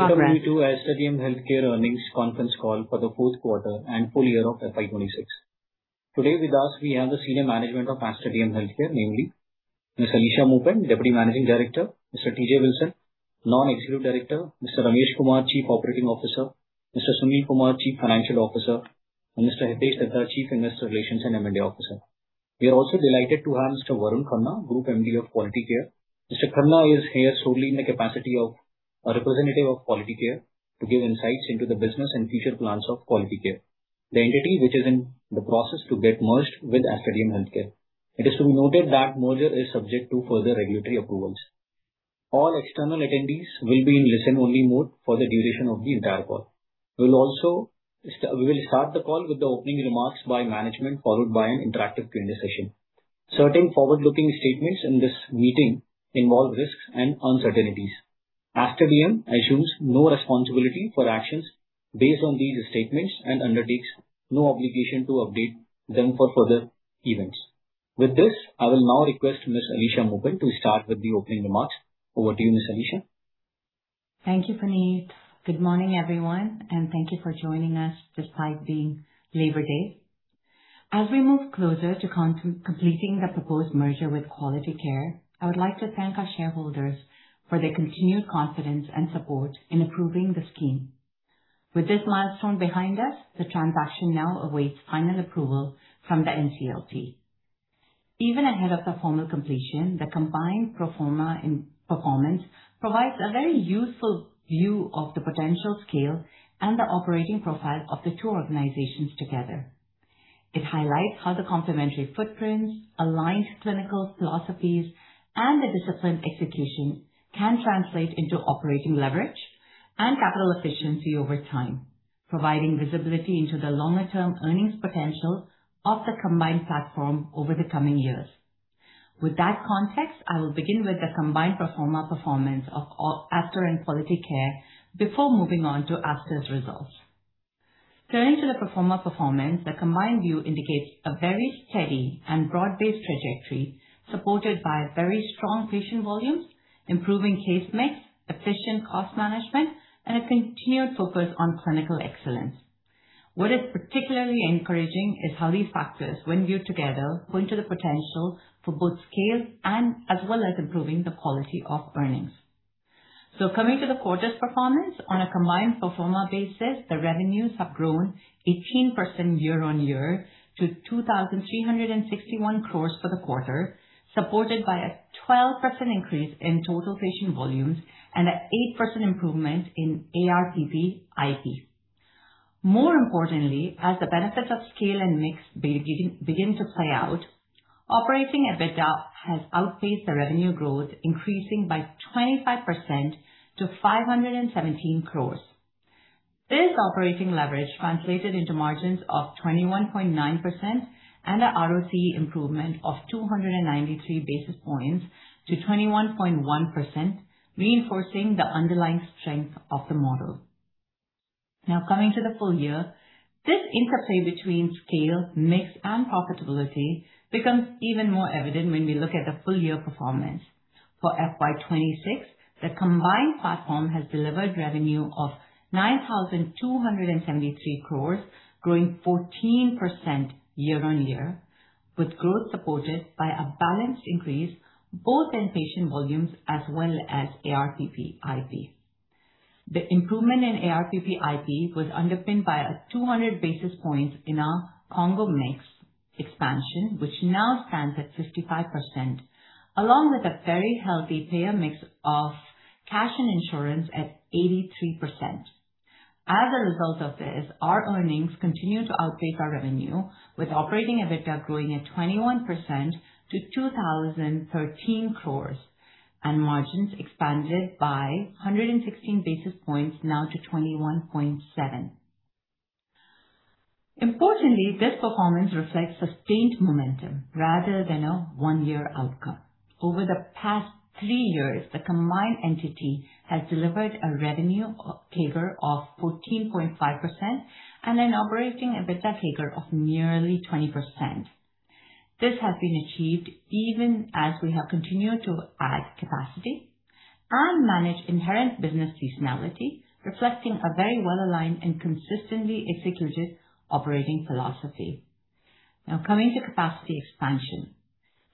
Welcome to Aster DM Healthcare earnings conference call for the fourth quarter and full year of FY 2026. Today with us, we have the senior management of Aster DM Healthcare, namely Ms. Alisha Moopen, Deputy Managing Director, Mr. T. J. Wilson, Non-Executive Director, Mr. Ramesh Kumar, Chief Operating Officer, Mr. Sunil Kumar, Chief Financial Officer, and Mr. Hitesh Dhaddha, Chief Investor Relations and M&A Officer. We are also delighted to have Mr. Varun Khanna, Group MD of Quality Care. Mr. Khanna is here solely in the capacity of a representative of Quality Care to give insights into the business and future plans of Quality Care, the entity which is in the process to get merged with Aster DM Healthcare. It is to be noted that merger is subject to further regulatory approvals. All external attendees will be in listen-only mode for the duration of the entire call. We'll also we will start the call with the opening remarks by management, followed by an interactive Q&A session. Certain forward-looking statements in this meeting involve risks and uncertainties. Aster DM assumes no responsibility for actions based on these statements and undertakes no obligation to update them for further events. I will now request Ms. Alisha Moopen to start with the opening remarks. Over to you, Ms. Alisha. Thank you, Puneet Maheshwari. Good morning, everyone, and thank you for joining us despite being Labor Day. As we move closer to completing the proposed merger with Quality Care, I would like to thank our shareholders for their continued confidence and support in approving the scheme. With this milestone behind us, the transaction now awaits final approval from the NCLT. Even ahead of the formal completion, the combined pro forma in performance provides a very useful view of the potential scale and the operating profile of the two organizations together. It highlights how the complementary footprints, aligned clinical philosophies, and a disciplined execution can translate into operating leverage and capital efficiency over time, providing visibility into the longer-term earnings potential of the combined platform over the coming years. With that context, I will begin with the combined pro forma performance of all Aster and Quality Care before moving on to Aster's results. Turning to the pro forma performance, the combined view indicates a very steady and broad-based trajectory supported by very strong patient volumes, improving case mix, efficient cost management, and a continued focus on clinical excellence. What is particularly encouraging is how these factors when viewed together point to the potential for both scale and as well as improving the quality of earnings. Coming to the quarter's performance, on a combined pro forma basis, the revenues have grown 18% year-over-year to 2,361 crore for the quarter, supported by a 12% increase in total patient volumes and an 8% improvement in ARPP IP. More importantly, as the benefits of scale and mix begin to play out, operating EBITDA has outpaced the revenue growth, increasing by 25% to 517 crore. This operating leverage translated into margins of 21.9% and a ROCE improvement of 293 basis points to 21.1%, reinforcing the underlying strength of the model. Coming to the full year, this interplay between scale, mix, and profitability becomes even more evident when we look at the full-year performance. For FY 2026, the combined platform has delivered revenue of 9,273 crore, growing 14% year-on-year, with growth supported by a balanced increase both in patient volumes as well as ARPP IP. The improvement in ARPP IP was underpinned by a 200 basis points in our combo mix expansion, which now stands at 55%, along with a very healthy payer mix of cash and insurance at 83%. As a result of this, our earnings continue to outpace our revenue, with operating EBITDA growing at 21% to 2,013 crore and margins expanded by 116 basis points now to 21.7%. Importantly, this performance reflects sustained momentum rather than a one-year outcome. Over the past three years, the combined entity has delivered a revenue CAGR of 14.5% and an operating EBITDA CAGR of nearly 20%. This has been achieved even as we have continued to add capacity and manage inherent business seasonality, reflecting a very well-aligned and consistently executed operating philosophy. Coming to capacity expansion.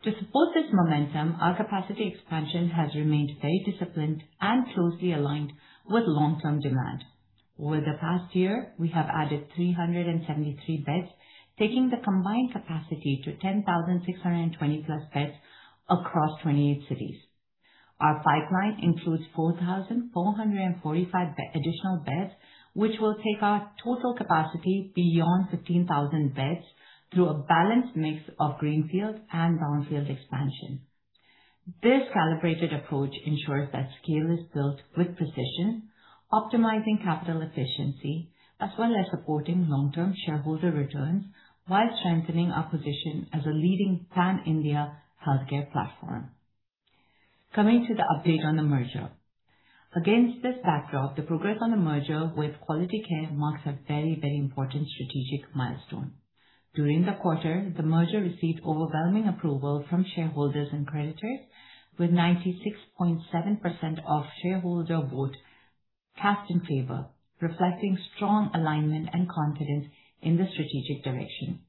To support this momentum, our capacity expansion has remained very disciplined and closely aligned with long-term demand. Over the past year, we have added 373 beds, taking the combined capacity to 10,620+ beds across 28 cities. Our pipeline includes 4,445 additional beds, which will take our total capacity beyond 15,000 beds through a balanced mix of greenfield and brownfield expansion. This calibrated approach ensures that scale is built with precision, optimizing capital efficiency, as well as supporting long-term shareholder returns while strengthening our position as a leading pan-India healthcare platform. Coming to the update on the merger. Against this backdrop, the progress on the merger with Quality Care marks a very important strategic milestone. During the quarter, the merger received overwhelming approval from shareholders and creditors with 96.7% of shareholder vote cast in favor, reflecting strong alignment and confidence in the strategic direction.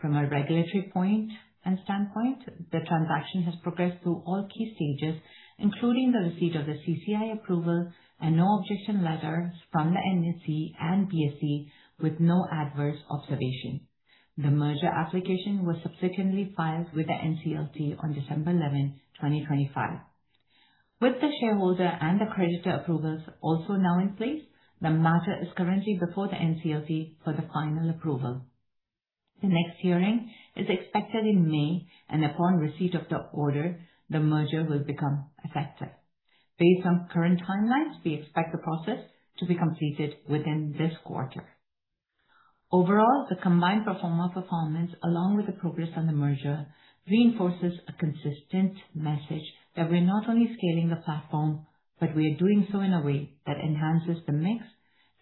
From a regulatory point and standpoint, the transaction has progressed through all key stages, including the receipt of the CCI approval and no objection letter from the NSE and BSE with no adverse observation. The merger application was subsequently filed with the NCLT on December 11, 2025. With the shareholder and the creditor approvals also now in place, the merger is currently before the NCLT for the final approval. The next hearing is expected in May, and upon receipt of the order, the merger will become effective. Based on current timelines, we expect the process to be completed within this quarter. Overall, the combined pro forma performance, along with the progress on the merger, reinforces a consistent message that we're not only scaling the platform, but we are doing so in a way that enhances the mix,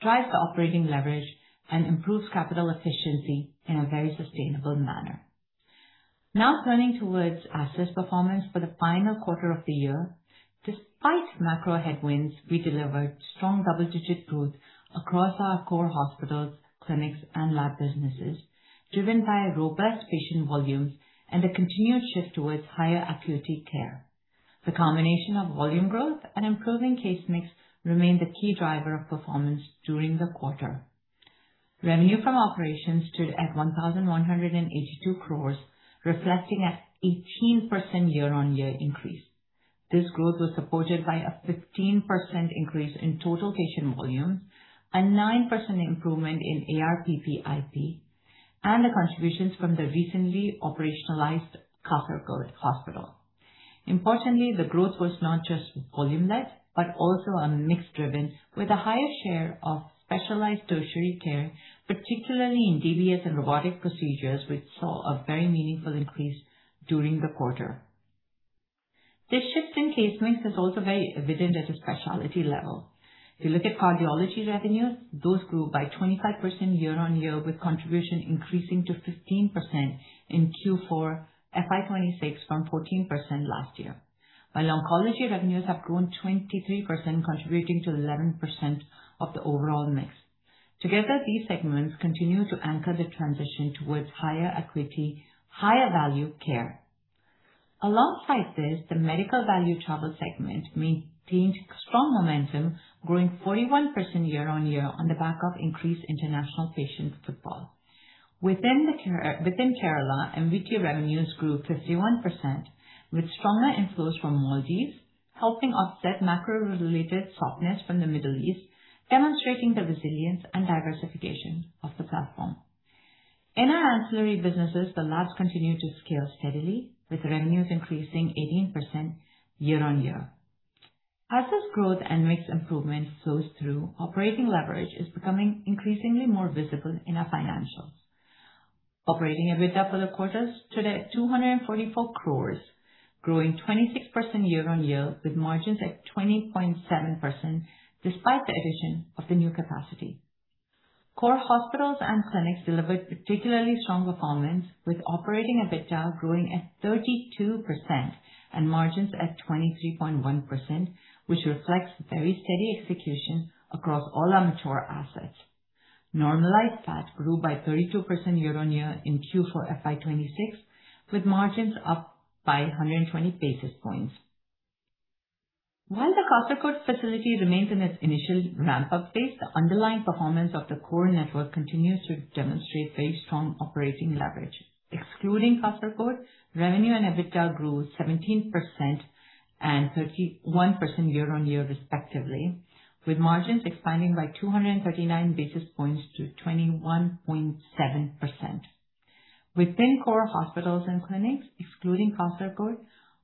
drives operating leverage, and improves capital efficiency in a very sustainable manner. Turning towards Aster's performance for the final quarter of the year. Despite macro headwinds, we delivered strong double-digit growth across our core hospitals, clinics, and lab businesses, driven by robust patient volumes and a continued shift towards higher-acuity care. The combination of volume growth and improving case mix remained the key driver of performance during the quarter. Revenue from operations stood at 1,182 crore, reflecting an 18% year-on-year increase. This growth was supported by a 15% increase in total patient volumes, a 9% improvement in ARPP IP, and the contributions from the recently operationalized Kasargod Hospital. Importantly, the growth was not just volume-led, but also a mix driven with a higher share of specialized tertiary care, particularly in DBS and robotic procedures, which saw a very meaningful increase during the quarter. This shift in case mix is also very evident at a specialty level. If you look at cardiology revenues, those grew by 25% year-on-year, with contribution increasing to 15% in Q4 FY 2026 from 14% last year. Oncology revenues have grown 23%, contributing to 11% of the overall mix. Together, these segments continue to anchor the transition towards higher-acuity, higher-value care. Alongside this, the medical value travel segment maintained strong momentum, growing 41% year-on-year on the back of increased international patients footfall. Within Kerala, MVT revenues grew 51% with stronger inflows from Maldives, helping offset macro-related softness from the Middle East, demonstrating the resilience and diversification of the platform. In our ancillary businesses, the labs continue to scale steadily, with revenues increasing 18% year-on-year. As this growth and mix improvement flows through, operating leverage is becoming increasingly more visible in our financials. Operating EBITDA for the quarters stood at 244 crore, growing 26% year-on-year, with margins at 20.7%, despite the addition of the new capacity. Core hospitals and clinics delivered particularly strong performance, with operating EBITDA growing at 32% and margins at 23.1%, which reflects very steady execution across all our mature assets. Normalized PAT grew by 32% year-on-year in Q4 FY 2026, with margins up by 120 basis points. While the Kasargod facility remains in its initial ramp-up phase, the underlying performance of the core network continues to demonstrate very strong operating leverage. Excluding Kasargod, revenue and EBITDA grew 17% and 31% year-on-year respectively, with margins expanding by 239 basis points to 21.7%. Within core hospitals and clinics, excluding Kasargod,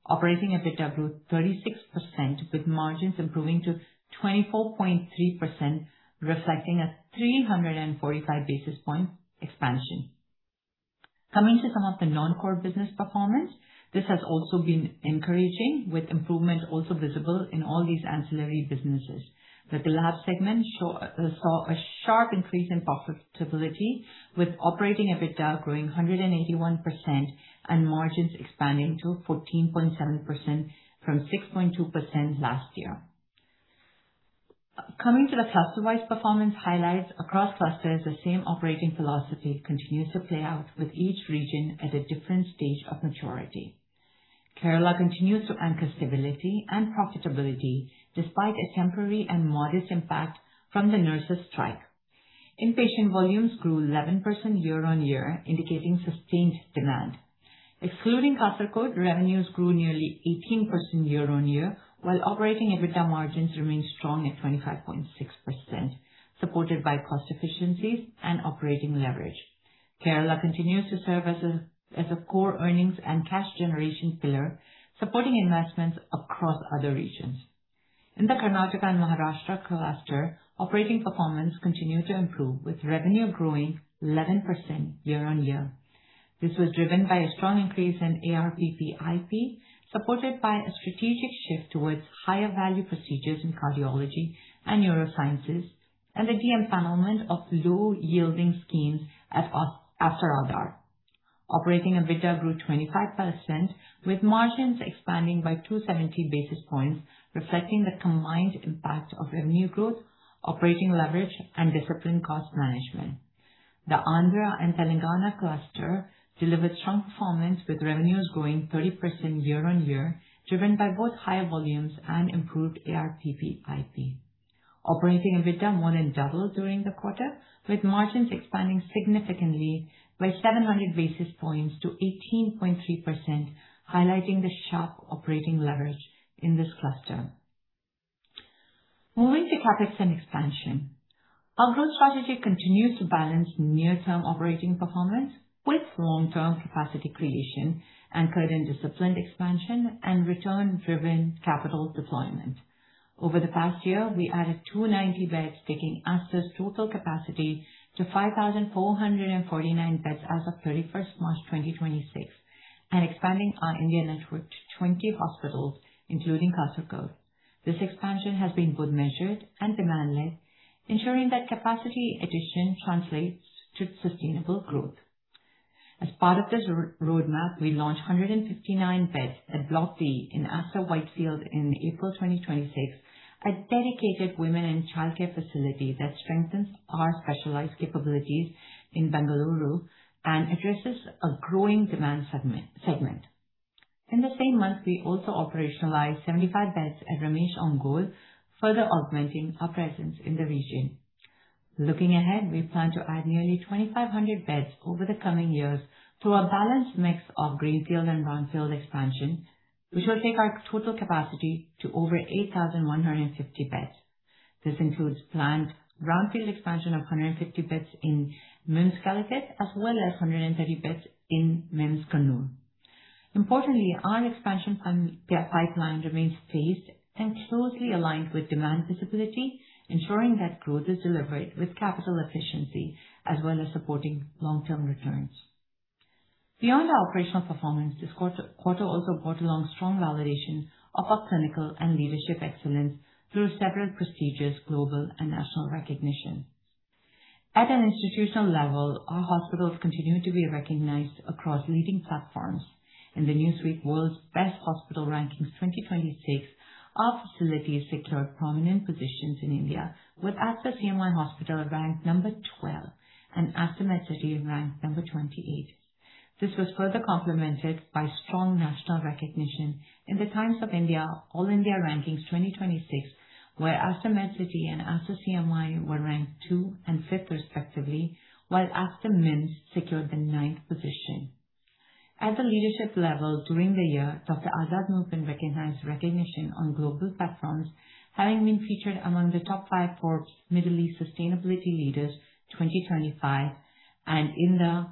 operating EBITDA grew 36%, with margins improving to 24.3%, reflecting a 345 basis-point expansion. Coming to some of the non-core business performance, this has also been encouraging, with improvements also visible in all these ancillary businesses. With the lab segment saw a sharp increase in profitability, with operating EBITDA growing 181% and margins expanding to 14.7% from 6.2% last year. Coming to the cluster-wise performance highlights, across clusters, the same operating philosophy continues to play out with each region at a different stage of maturity. Kerala continues to anchor stability and profitability despite a temporary and modest impact from the nurses strike. Inpatient volumes grew 11% year-on-year, indicating sustained demand. Excluding Kasargod, revenues grew nearly 18% year-on-year, while operating EBITDA margins remained strong at 25.6%, supported by cost efficiencies and operating leverage. Kerala continues to serve as a core earnings and cash generation pillar, supporting investments across other regions. In the Karnataka and Maharashtra cluster, operating performance continued to improve, with revenue growing 11% year-on-year. This was driven by a strong increase in ARPP IP, supported by a strategic shift towards higher-value procedures in cardiology and neurosciences, and the de-empanelment of low-yielding schemes at Aster Aadhar. Operating EBITDA grew 25%, with margins expanding by 270 basis points, reflecting the combined impact of revenue growth, operating leverage, and disciplined cost management. The Andhra and Telangana cluster delivered strong performance with revenues growing 30% year-on-year, driven by both higher volumes and improved ARPP IP. Operating EBITDA more than doubled during the quarter, with margins expanding significantly by 700 basis points to 18.3%, highlighting the sharp operating leverage in this cluster. Moving to capacity and expansion. Our growth strategy continues to balance near-term operating performance with long-term capacity creation and current disciplined expansion and return-driven capital deployment. Over the past year, we added 290 beds, taking Aster's total capacity to 5,449 beds as of 31st March 2026, and expanding our India network to 20 hospitals, including Kasargod. This expansion has been both measured and demand led, ensuring that capacity addition translates to sustainable growth. As part of this roadmap, we launched 159 beds at Block D in Aster Whitefield in April 2026, a dedicated women and childcare facility that strengthens our specialized capabilities in Bengaluru and addresses a growing demand segment. In the same month, we also operationalized 75 beds at Ramesh Ongole, further augmenting our presence in the region. Looking ahead, we plan to add nearly 2,500 beds over the coming years through a balanced mix of greenfield and brownfield expansion, which will take our total capacity to over 8,150 beds. This includes planned brownfield expansion of 150 beds in MIMS Calicut, as well as 130 beds in MIMS Kannur. Importantly, our expansion plan pipeline remains phased and closely aligned with demand visibility, ensuring that growth is delivered with capital efficiency as well as supporting long-term returns. Beyond our operational performance, this quarter also brought along strong validation of our clinical and leadership excellence through several prestigious global and national recognition. At an institutional level, our hospitals continue to be recognized across leading platforms. In the Newsweek World's Best Hospital rankings 2026, our facilities secured prominent positions in India, with Aster CMI Hospital ranked number 12 and Aster Medcity ranked number 28. This was further complemented by strong national recognition in The Times of India All India Rankings 2026, where Aster Medcity and Aster CMI were ranked 2 and 5th respectively, while Aster MIMS secured the 9th position. At the leadership level during the year, Dr. Azad Moopen recognized recognition on global platforms, having been featured among the Top 5 Forbes Middle East Sustainability Leaders 2025 and in The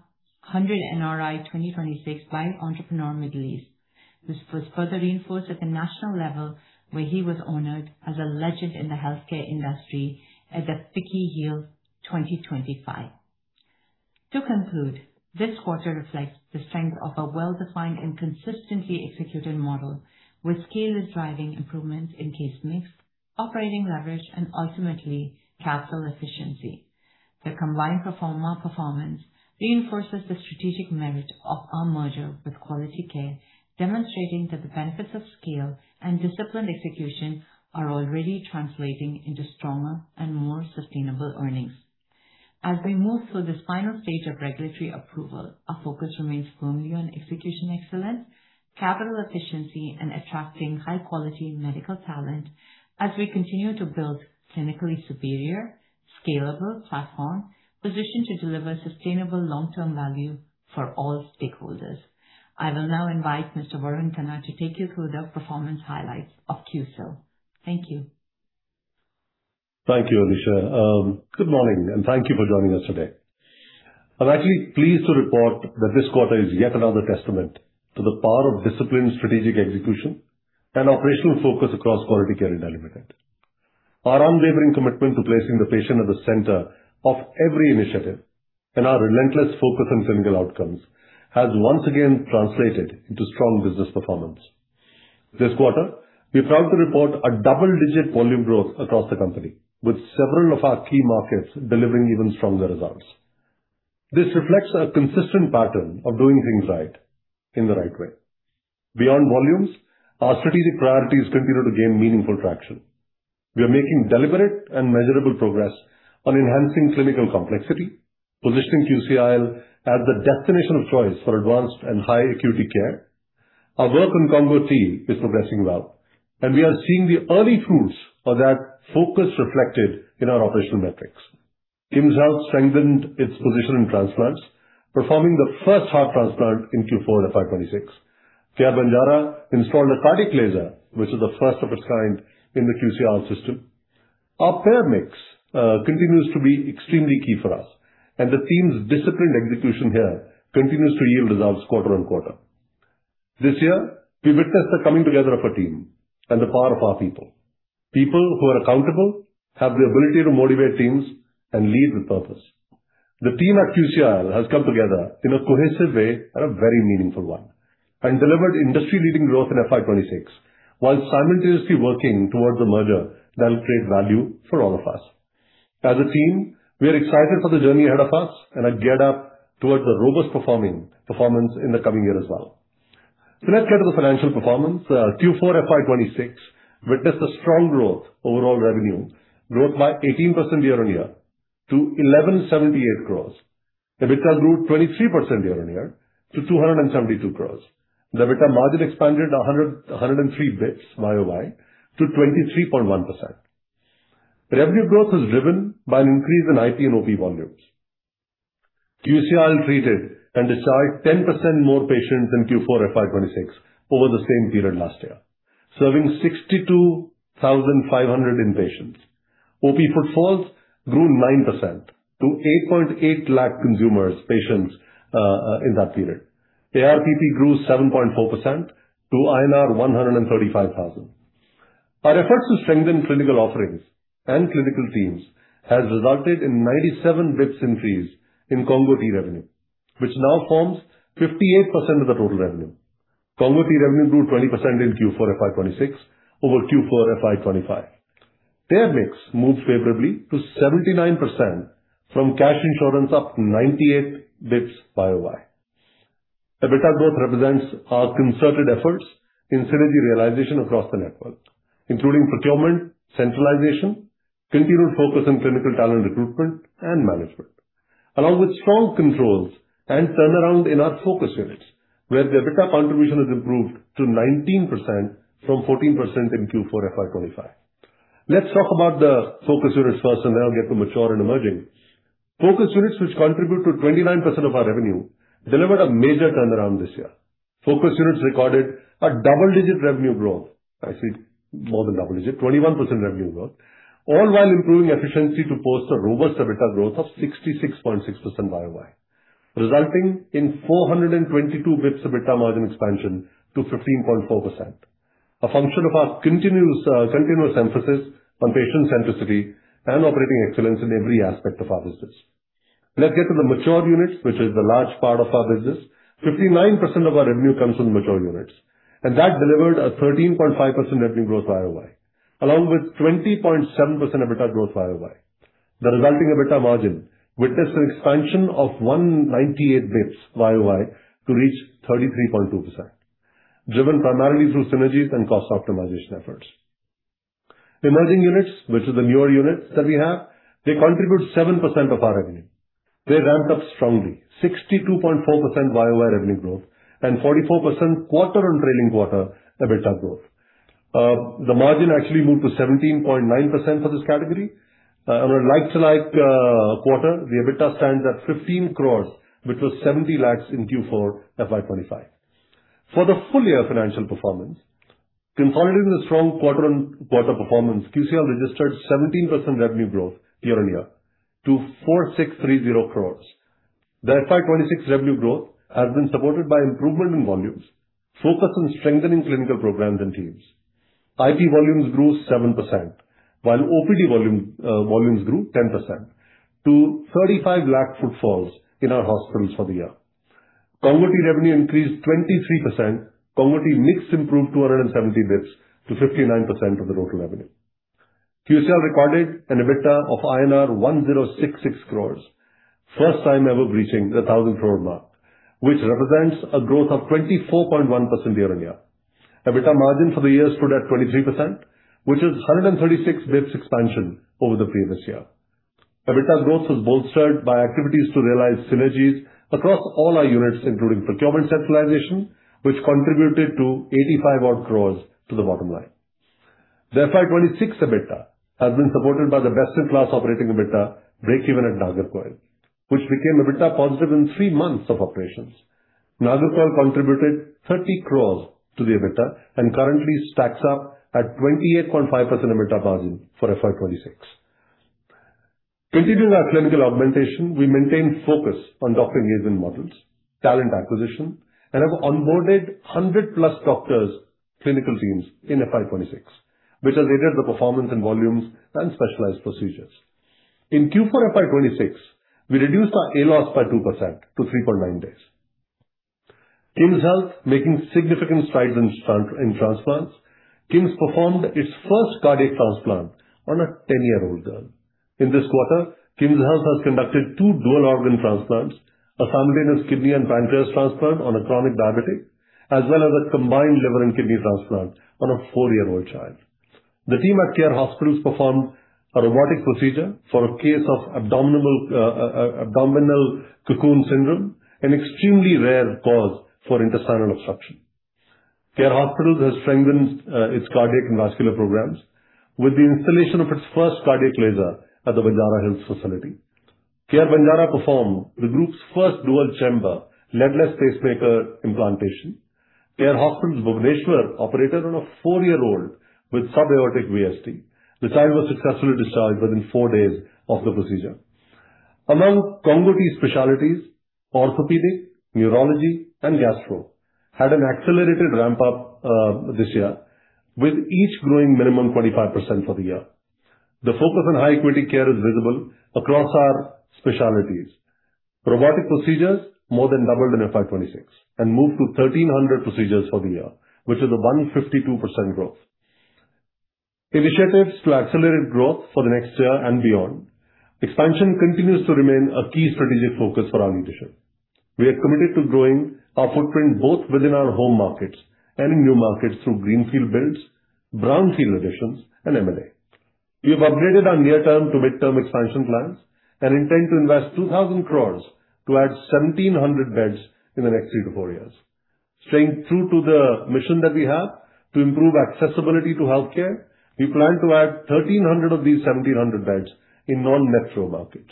100 NRIs 2026 by Entrepreneur Middle East. This was further reinforced at the national level, where he was honored as A Legend in the Healthcare Industry at the FICCI Heal 2025. To conclude, this quarter reflects the strength of a well-defined and consistently executed model, with scale is driving improvements in case mix, operating leverage, and ultimately capital efficiency. The combined pro forma performance reinforces the strategic merit of our merger with Quality Care, demonstrating that the benefits of scale and disciplined execution are already translating into stronger and more sustainable earnings. As we move through this final stage of regulatory approval, our focus remains firmly on execution excellence, capital efficiency, and attracting high-quality medical talent as we continue to build clinically superior, scalable platform positioned to deliver sustainable long-term value for all stakeholders. I will now invite Mr. Varun Khanna to take you through the performance highlights of QCIL. Thank you. Thank you, Alisha. Good morning, and thank you for joining us today. I'm actually pleased to report that this quarter is yet another testament to the power of disciplined strategic execution and operational focus across Quality Care India Limited. Our unwavering commitment to placing the patient at the center of every initiative and our relentless focus on clinical outcomes has once again translated into strong business performance. This quarter, we are proud to report a double-digit volume growth across the company, with several of our key markets delivering even stronger results. This reflects a consistent pattern of doing things right in the right way. Beyond volumes, our strategic priorities continue to gain meaningful traction. We are making deliberate and measurable progress on enhancing clinical complexity, positioning QCIL as the destination of choice for advanced and high acuity care. Our work on CONGO-T is progressing well, and we are seeing the early fruits of that focus reflected in our operational metrics. KIMS Health strengthened its position in transplants, performing the first heart transplant in Q4 of FY 2026. CARE Banjara installed a cardiac laser, which is the first of its kind in the QCIL system. Our payer mix continues to be extremely key for us, and the team's disciplined execution here continues to yield results quarter on quarter. This year, we witnessed the coming together of a team and the power of our people. People who are accountable have the ability to motivate teams and lead with purpose. The team at QCIL has come together in a cohesive way and a very meaningful one, and delivered industry-leading growth in FY 2026, while simultaneously working towards a merger that will create value for all of us. As a team, we are excited for the journey ahead of us and are geared up towards a robust performance in the coming year as well. Let's get to the financial performance. Q4 FY 2026 witnessed a strong growth. Overall revenue growth by 18% year-on-year to 1,178 crore. EBITDA grew 23% year-on-year to 272 crore. The EBITDA margin expanded 103 basis points YoY to 23.1%. Revenue growth was driven by an increase in IP and OP volumes. QCIL treated and discharged 10% more patients in Q4 FY 2026 over the same period last year, serving 62,500 inpatients. OP footfalls grew 9% to 8.8 lakh consumers, patients in that period. ARPP grew 7.4% to INR 135,000. Our efforts to strengthen clinical offerings and clinical teams has resulted in 97 basis points increase in CONGO-T revenue, which now forms 58% of the total revenue. CONGO-T revenue grew 20% in Q4 FY 2026 over Q4 FY 2025. Payor mix moved favorably to 79% from cash insurance, up 98 basis points YoY. EBITDA growth represents our concerted efforts in synergy realization across the network, including procurement, centralization, continued focus on clinical talent recruitment and management. Along with strong controls and turnaround in our focus units, where the EBITDA contribution has improved to 19% from 14% in Q4 FY 2025. Let's talk about the focus units first, and then I'll get to mature and emerging. Focus units, which contribute to 29% of our revenue, delivered a major turnaround this year. Focus units recorded a double-digit revenue growth. I see more than double-digit, 21% revenue growth, all while improving efficiency to post a robust EBITDA growth of 66.6% year-over-year, resulting in 422 basis points EBITDA margin expansion to 15.4%. A function of our continuous emphasis on patient centricity and operating excellence in every aspect of our business. Let's get to the mature units, which is the large part of our business. Fifty-nine percent of our revenue comes from mature units, that delivered a 13.5% revenue growth year-over-year, along with 20.7% EBITDA growth year-over-year. The resulting EBITDA margin witnessed an expansion of 198 basis points year-over-year to reach 33.2%, driven primarily through synergies and cost optimization efforts. Emerging units, which is the newer units that we have, they contribute 7% of our revenue. They ramped up strongly, 62.4% YoY revenue growth and 44% quarter-on-trailing-quarter EBITDA growth. The margin actually moved to 17.9% for this category. On a like-to-like quarter, the EBITDA stands at 15 crore, which was 70 lakhs in Q4 FY 2025. For the full-year financial performance, consolidating the strong quarter-on-quarter performance, QCIL registered 17% revenue growth year-on-year to 4,630 crore. The FY 2026 revenue growth has been supported by improvement in volumes, focus on strengthening clinical programs and teams. IP volumes grew 7%, while OPD volumes grew 10% to 35 lakh footfalls in our hospitals for the year. CONGO-T revenue increased 23%. CONGO-T mix improved 270 basis points to 59% of the total revenue. QCIL recorded an EBITDA of INR 1,066 crore, first time ever breaching the 1,000-crore mark, which represents a growth of 24.1% year-on-year. EBITDA margin for the year stood at 23%, which is 136 basis points expansion over the previous year. EBITDA growth was bolstered by activities to realize synergies across all our units, including procurement centralization, which contributed to 85-odd crore to the bottom line. The FY 2026 EBITDA has been supported by the best-in-class operating EBITDA breakeven at Nagercoil, which became EBITDA positive in three months of operations. Nagercoil contributed 30 crore to the EBITDA and currently stacks up at 28.5% EBITDA margin for FY 2026. Continuing our clinical augmentation, we maintain focus on doctor engagement models, talent acquisition, and have onboarded 100+ doctors, clinical teams in FY 2026, which has aided the performance and volumes and specialized procedures. In Q4 FY 2026, we reduced our ALOS by 2% to 3.9 days. KIMS Health making significant strides in transplants. KIMS performed its first cardiac transplant on a 10-year-old girl. In this quarter, KIMS Health has conducted two dual-organ transplants, a simultaneous kidney and pancreas transplant on a chronic diabetic, as well as a combined liver and kidney transplant on a four-year-old child. The team at CARE Hospitals performed a robotic procedure for a case of abdominal cocoon syndrome, an extremely rare cause for intestinal obstruction. CARE Hospitals has strengthened its cardiac and vascular programs with the installation of its first cardiac laser at the Banjara Hills facility. CARE Banjara performed the group's first dual-chamber leadless pacemaker implantation. CARE Hospitals Bhubaneswar operated on a four-year-old with subaortic VSD. The child was successfully discharged within four days of the procedure. Among CONGO-T specialties, orthopedic, neurology, and gastro had an accelerated ramp-up this year, with each growing minimum 25% for the year. The focus on high-equity care is visible across our specialties. Robotic procedures more than doubled in FY 2026 and moved to 1,300 procedures for the year, which is a 152% growth. Initiatives to accelerate growth for the next year and beyond. Expansion continues to remain a key strategic focus for our leadership. We are committed to growing our footprint both within our home markets and in new markets through greenfield builds, brownfield additions, and M&A. We have upgraded our near-term to mid-term expansion plans and intend to invest 2,000 crore to add 1,700 beds in the next three to four years. Staying true to the mission that we have to improve accessibility to healthcare, we plan to add 1,300 of these 1,700 beds in non-metro markets.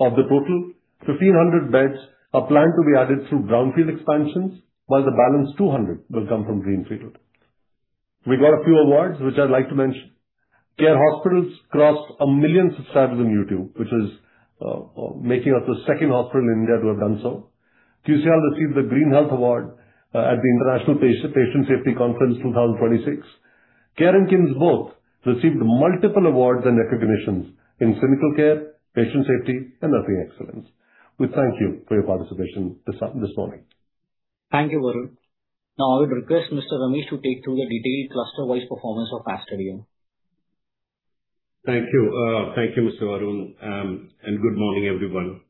Of the total, 1,500 beds are planned to be added through brownfield expansions, while the balance 200 will come from greenfield. We got a few awards, which I'd like to mention. CARE Hospitals crossed a million subscribers on YouTube, which is making us the second hospital in India to have done so. QCIL received the Green Health Award at the International Patient Safety Conference 2026. CARE Hospitals and KIMS both received multiple awards and recognitions in clinical care, patient safety, and nursing excellence. We thank you for your participation this morning. Thank you, Varun. I would request Mr. Ramesh to take through the detailed cluster-wise performance of Aster DM. Thank you. Thank you, Mr. Varun, good morning, everyone.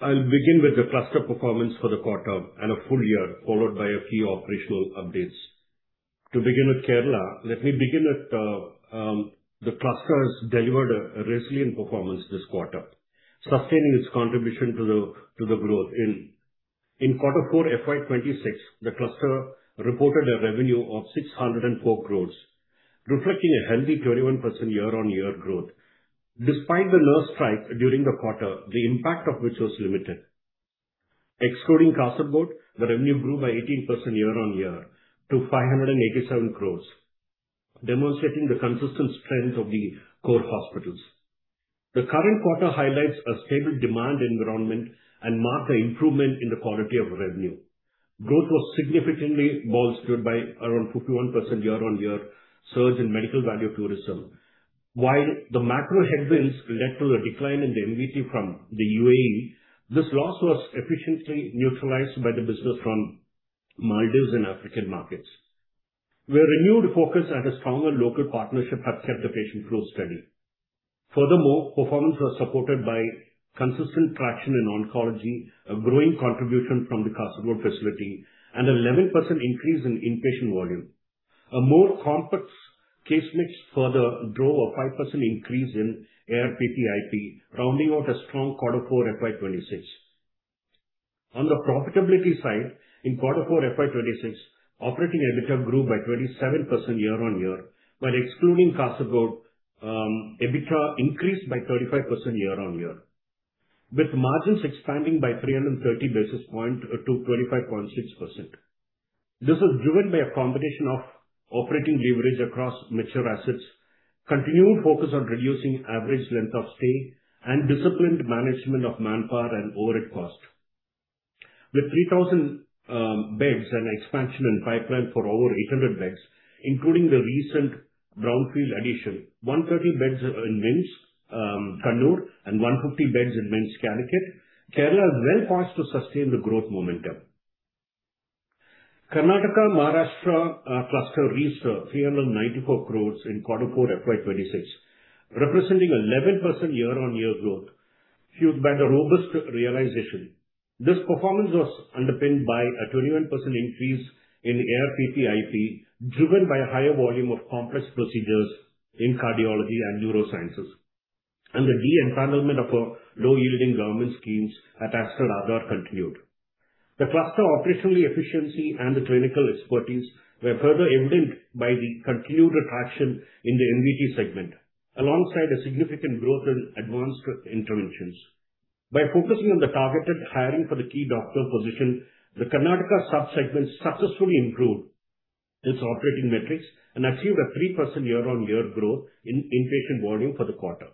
I'll begin with the cluster performance for the quarter and a full year, followed by a few operational updates. To begin with Kerala, let me begin at the cluster has delivered a resilient performance this quarter, sustaining its contribution to the growth. In quarter four FY 2026, the cluster reported a revenue of 604 crore, reflecting a healthy 31% year-on-year growth. Despite the nurse strike during the quarter, the impact of which was limited. Excluding Kasargod, the revenue grew by 18% year-on-year to 587 crore, demonstrating the consistent strength of the core hospitals. The current quarter highlights a stable demand environment and marked improvement in the quality of revenue. Growth was significantly bolstered by around 51% year-on-year surge in Medical Value Travel. While the macro headwinds led to a decline in the MVT from the UAE, this loss was efficiently neutralized by the business from Maldives and African markets. Where renewed focus at a stronger local partnership have kept the patient flow steady. Furthermore, performance was supported by consistent traction in oncology, a growing contribution from the Kasargod facility, and 11% increase in inpatient volume. A more complex case mix further drove a 5% increase in ARPP IP, rounding out a strong quarter four FY 2026. On the profitability side, in quarter four FY 2026, operating EBITDA grew by 27% year-on-year. While excluding Kasargod, EBITDA increased by 35% year-on-year, with margins expanding by 330 basis points to 25.6%. This was driven by a combination of operating leverage across mature assets, continued focus on reducing average length of stay, and disciplined management of manpower and overhead costs. With 3,000 beds and expansion and pipeline for over 800 beds, including the recent brownfield addition, 130 beds in MIMS Kannur and 150 beds in MIMS Calicut, Kerala is well-posed to sustain the growth momentum. Karnataka-Maharashtra cluster reached 394 crore in quarter four FY 2026, representing 11% year-on-year growth, fueled by the robust realization. This performance was underpinned by a 21% increase in ARPP IP, driven by a higher volume of complex procedures in cardiology and neurosciences, and the de-empanelment of a low-yielding government schemes at Aster Aadhar continued. The cluster operational efficiency and the clinical expertise were further evident by the continued traction in the MVT segment, alongside a significant growth in advanced interventions. By focusing on the targeted hiring for the key doctor position, the Karnataka sub-segment successfully improved its operating metrics and achieved a 3% year-on-year growth in inpatient volume for the quarter.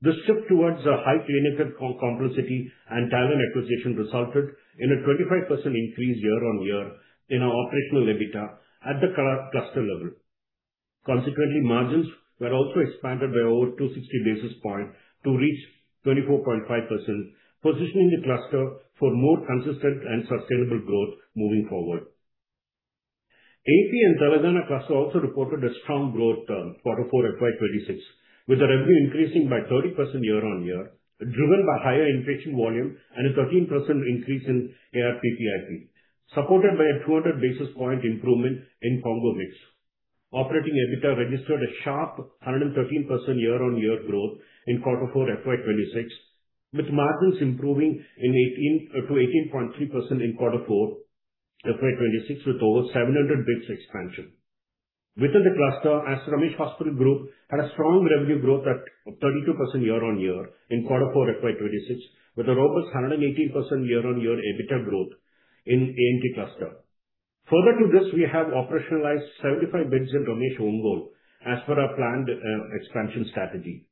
This shift towards a high clinical complexity and talent acquisition resulted in a 25% increase year-on-year in our operational EBITDA at the [current] cluster level. Consequently, margins were also expanded by over 260 basis points to reach 24.5%, positioning the cluster for more consistent and sustainable growth moving forward. AP and Telangana cluster also reported a strong growth in quarter four FY 2026, with the revenue increasing by 30% year-on-year, driven by higher inpatient volume and a 13% increase in ARPP IP, supported by a 200 basis point improvement in combo mix. Operating EBITDA registered a sharp 113% year-on-year growth in quarter four FY 2026, with margins improving to 18.3% in quarter four FY 2026, with over 700 basis points expansion. Within the cluster, Aster Ramesh Hospital Group had a strong revenue growth at 32% year-on-year in quarter four FY 2026, with a robust 118% year-on-year EBITDA growth in A&T cluster. We have operationalized 75 beds in Ramesh Ongole as per our planned expansion strategy.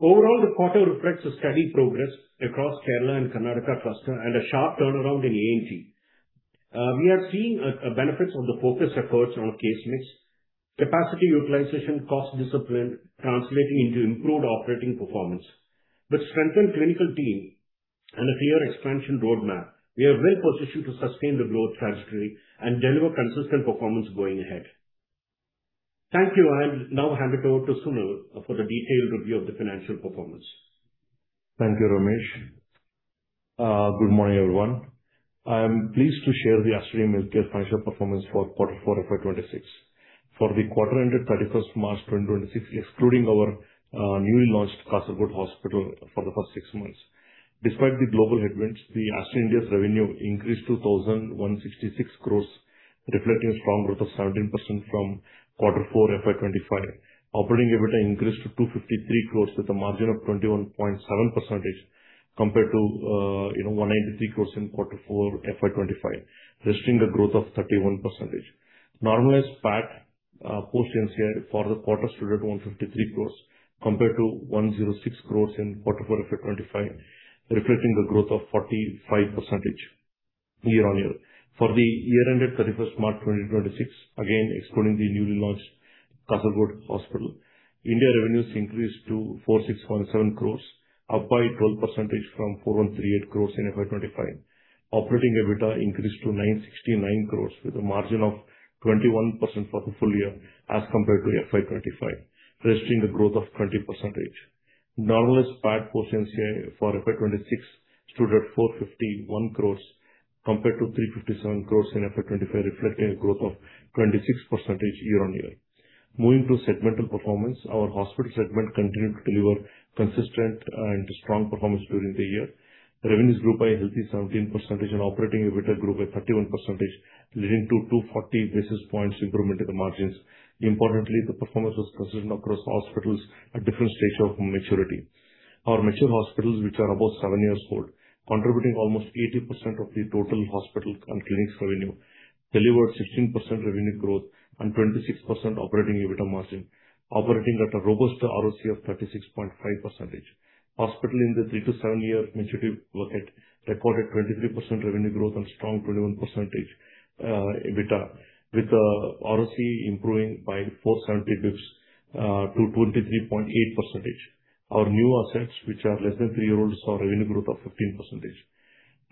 Overall, the quarter reflects a steady progress across Kerala and Karnataka cluster and a sharp turnaround in A&T. We are seeing benefits of the focused efforts on our case mix, capacity utilization, cost discipline translating into improved operating performance. With strengthened clinical team and a clear expansion roadmap, we are well positioned to sustain the growth trajectory and deliver consistent performance going ahead. Thank you. I'll now hand it over to Sunil for the detailed review of the financial performance. Thank you, Ramesh. Good morning, everyone. I'm pleased to share the Aster DM Healthcare financial performance for quarter four FY 2026. For the quarter ended 31st March 2026, excluding our newly launched Kasargod Hospital for the first six months. Despite the global headwinds, the Aster India's revenue increased to 1,166 crore, reflecting a strong growth of 17% from quarter four FY 2025. Operating EBITDA increased to 253 crore with a margin of 21.7% compared to, you know, 193 crore in quarter four FY 2025, registering a growth of 31%. Normalized PAT post NCI for the quarter stood at 153 crore compared to 106 crore in Q4 FY 2025, reflecting a growth of 45% year-on-year. For the year ended 31st March 2026, again excluding the newly launched Kasargod Hospital, India revenues increased to 4,634 crore, up by 12% from 4,138 crore in FY 2025. Operating EBITDA increased to 969 crore with a margin of 21% for the full year as compared to FY 2025, registering a growth of 20%. Normalized PAT post NCI for FY 2026 stood at 451 crore compared to 357 crore in FY 2025, reflecting a growth of 26% year-on-year. Moving to segmental performance, our hospitals segment continued to deliver consistent and strong performance during the year. Revenues grew by a healthy 17% and operating EBITDA grew by 31%, leading to 240 basis points improvement in the margins. Importantly, the performance was consistent across hospitals at different stage of maturity. Our mature hospitals, which are about seven years old, contributing almost 80% of the total hospital and clinics revenue, delivered 16% revenue growth and 26% operating EBITDA margin operating at a robust ROCE of 36.5%. Hospital in the three- to seven-year maturity bracket recorded 23% revenue growth and strong 21% EBITDA, with the ROCE improving by 470 basis points to 23.8%. Our new assets, which are less than three years old, saw revenue growth of 15%.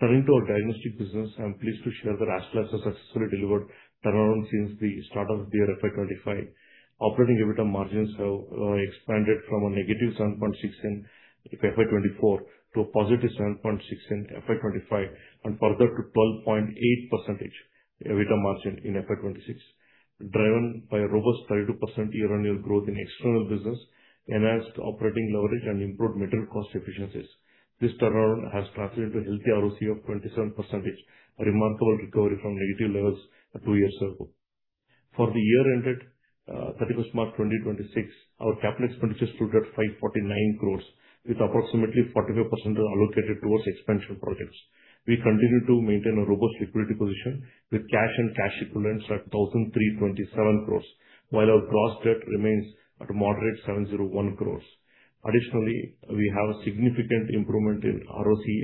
Turning to our diagnostic business, I'm pleased to share that Aster Labs has successfully delivered turnaround since the start of their FY 2025. Operating EBITDA margins have expanded from a -7.6 in FY 2024 to a -7.6 in FY 2025 and further to 12.8% EBITDA margin in FY 2026, driven by a robust 32% year-on-year growth in external business, enhanced operating leverage and improved material cost efficiencies. This turnaround has translated to a healthy ROCE of 27%, a remarkable recovery from negative levels two years ago. For the year ended 31st March, 2026, our capital expenditures stood at 549 crore, with approximately 45% allocated towards expansion projects. We continue to maintain a robust liquidity position with cash and cash equivalents at 1,327 crore, while our gross debt remains at a moderate 701 crore. Additionally, we have a significant improvement in ROCE,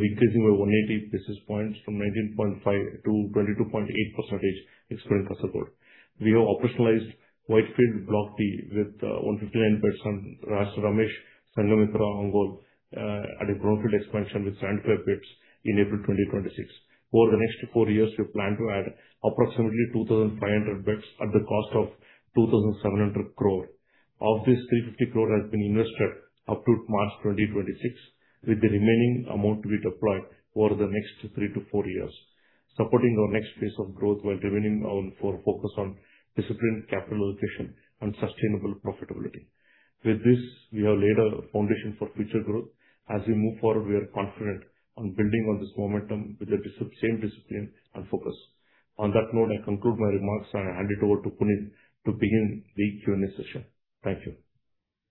increasing by 180 basis points from 19.5% to 22.8%, excluding Kasargod. We have operationalized Whitefield Block D with 159 beds on Ramesh Sanghamitra Ongole, at a brownfield expansion with 75 beds in April 2026. Over the next four years, we plan to add approximately 2,500 beds at the cost of 2,700 crore. Of this, 350 crore has been invested up to March 2026, with the remaining amount to be deployed over the next three to four years, supporting our next phase of growth while remaining our focus on disciplined capital allocation and sustainable profitability. With this, we have laid a foundation for future growth. As we move forward, we are confident on building on this momentum with the same discipline and focus. On that note, I conclude my remarks and hand it over to Puneet to begin the Q&A session. Thank you.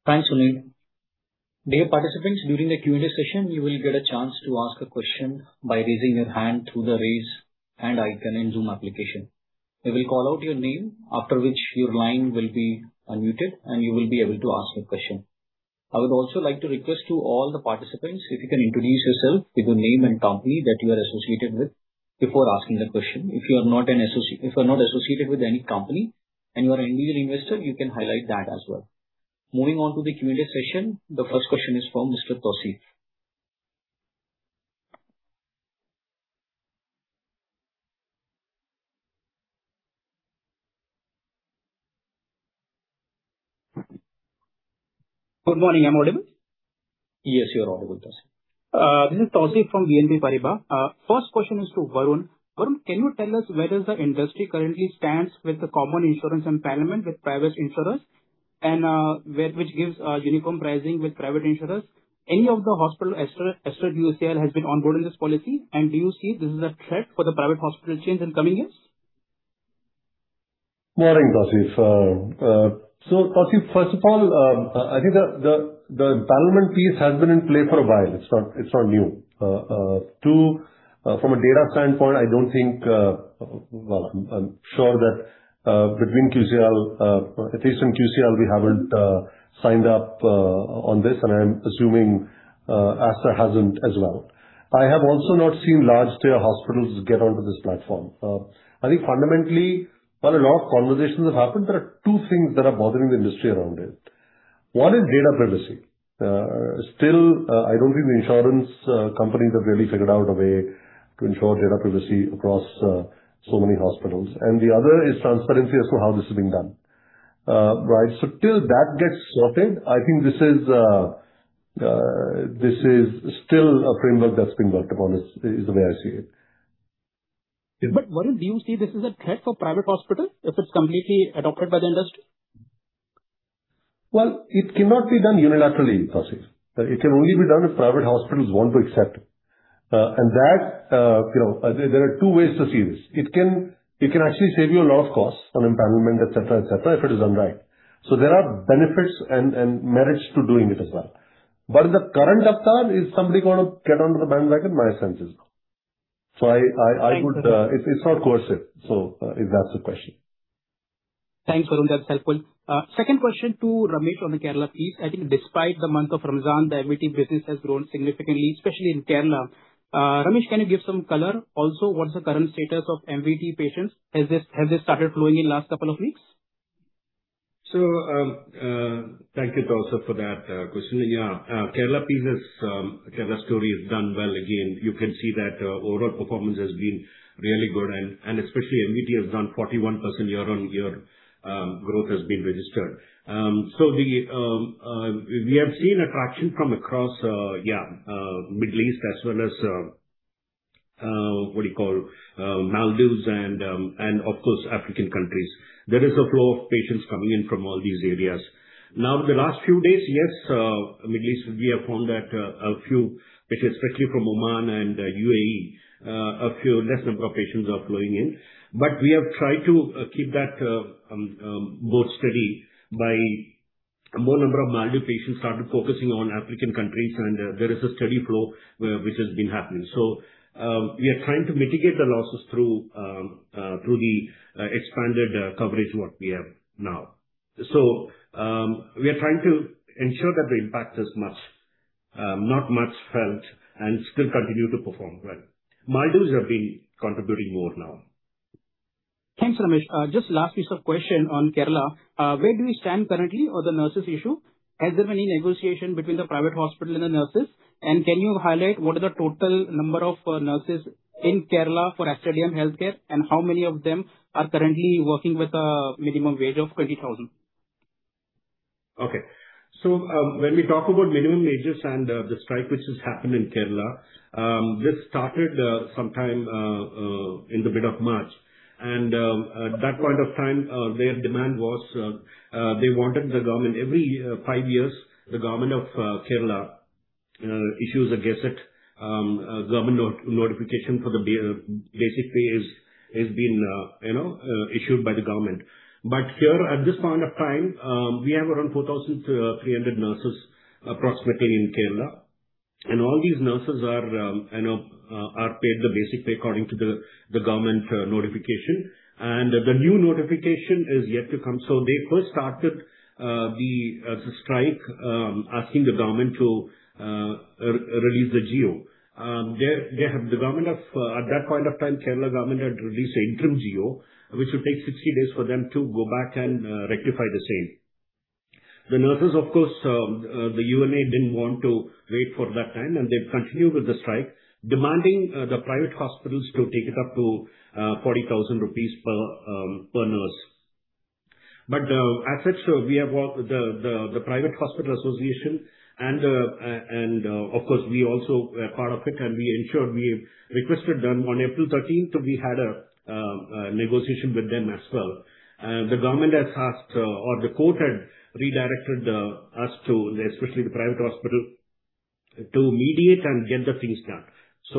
Thanks, Sunil. Dear participants, during the Q&A session, you will get a chance to ask a question by raising your hand through the Raise Hand icon in Zoom application. We will call out your name, after which your line will be unmuted and you will be able to ask your question. I would also like to request to all the participants if you can introduce yourself with your name and company that you are associated with before asking the question. If you are not associated with any company and you are an individual investor, you can highlight that as well. Moving on to the Q&A session, the first question is from Mr. Tausif. Good morning. Am I audible? Yes, you are audible, Tausif. This is Tausif from BNP Paribas. First question is to Varun. Varun, can you tell us where does the industry currently stands with the common insurance and empanelment with private insurers and where which gives uniform pricing with private insurers? Any of the hospital Aster, QCIL has been on board in this policy? Do you see this is a threat for the private hospital chains in coming years? Morning, Tausif. Tausif, first of all, I think the empowerment piece has been in play for a while. It's not new. Two, from a data standpoint, I don't think, well, I'm sure that between QCIL, at least in QCIL we haven't signed up on this, and I'm assuming Aster hasn't as well. I have also not seen large-tier hospitals get onto this platform. I think fundamentally, while a lot of conversations have happened, there are two things that are bothering the industry around it. One is data privacy. Still, I don't think the insurance companies have really figured out a way to ensure data privacy across so many hospitals. The other is transparency as to how this is being done. Right, till that gets sorted, I think this is still a framework that's been worked upon, is the way I see it. Varun, do you see this as a threat for private hospitals if it's completely adopted by the industry? It cannot be done unilaterally, Tausif. It can only be done if private hospitals want to accept it. And that, you know, there are two ways to see this. It can actually save you a lot of costs on empowerment, et cetera, et cetera, if it is done right. There are benefits and merits to doing it as well. In the current avatar, is somebody gonna get onto the bandwagon? My answer is no. I, I would— Thanks. It's not coercive. If that's the question. Thanks, Varun. That's helpful. Second question to Ramesh on the Kerala piece. I think despite the month of Ramadan, the MVT business has grown significantly, especially in Kerala. Ramesh, can you give some color? Also, what's the current status of MVT patients? Has this started flowing in last couple of weeks? Thank you, Tausif, for that question. Kerala piece is—Kerala story has done well again. You can see that overall performance has been really good and especially MVT has grown 41% year-on-year growth has been registered. We have seen attraction from across Middle East as well as what do you call Maldives and of course, African countries. There is a flow of patients coming in from all these areas. The last few days, Middle East we have found that a few, especially from Oman and UAE, a few less number of patients are flowing in. We have tried to keep that boat steady by more number of Maldives patients started focusing on African countries and there is a steady flow which has been happening. We are trying to mitigate the losses through through the expanded coverage what we have now. We are trying to ensure that the impact is much not much felt and still continue to perform well. Maldives have been contributing more now. Thanks, Ramesh. just last piece of question on Kerala. where do we stand currently on the nurses issue? Has there been any negotiation between the private hospital and the nurses? Can you highlight what are the total number of nurses in Kerala for Aster Healthcare and how many of them are currently working with a minimum wage of 20,000? When we talk about minimum wages and the strike which has happened in Kerala, this started sometime in the mid of March. At that point of time, their demand was they wanted the government—every five years the government of Kerala issues a gazette, a government notification for the basic pay is being issued by the government. At this point of time, we have around 4,300 nurses approximately in Kerala. All these nurses are paid the basic pay according to the government notification. The new notification is yet to come. They first started the strike asking the government to release the G.O. They're, they have the government of, at that point of time Kerala government had released the interim G.O., which will take 60 days for them to go back and rectify the same. The nurses, of course, the UNA didn't want to wait for that time, and they've continued with the strike, demanding the private hospitals to take it up to 40,000 rupees per per nurse. As such, we have all the private hospital association and, of course we also were part of it and we ensured we requested them. On April 13th, we had a negotiation with them as well. The government has asked, or the court had redirected us to, especially the private hospital, to mediate and get the things done.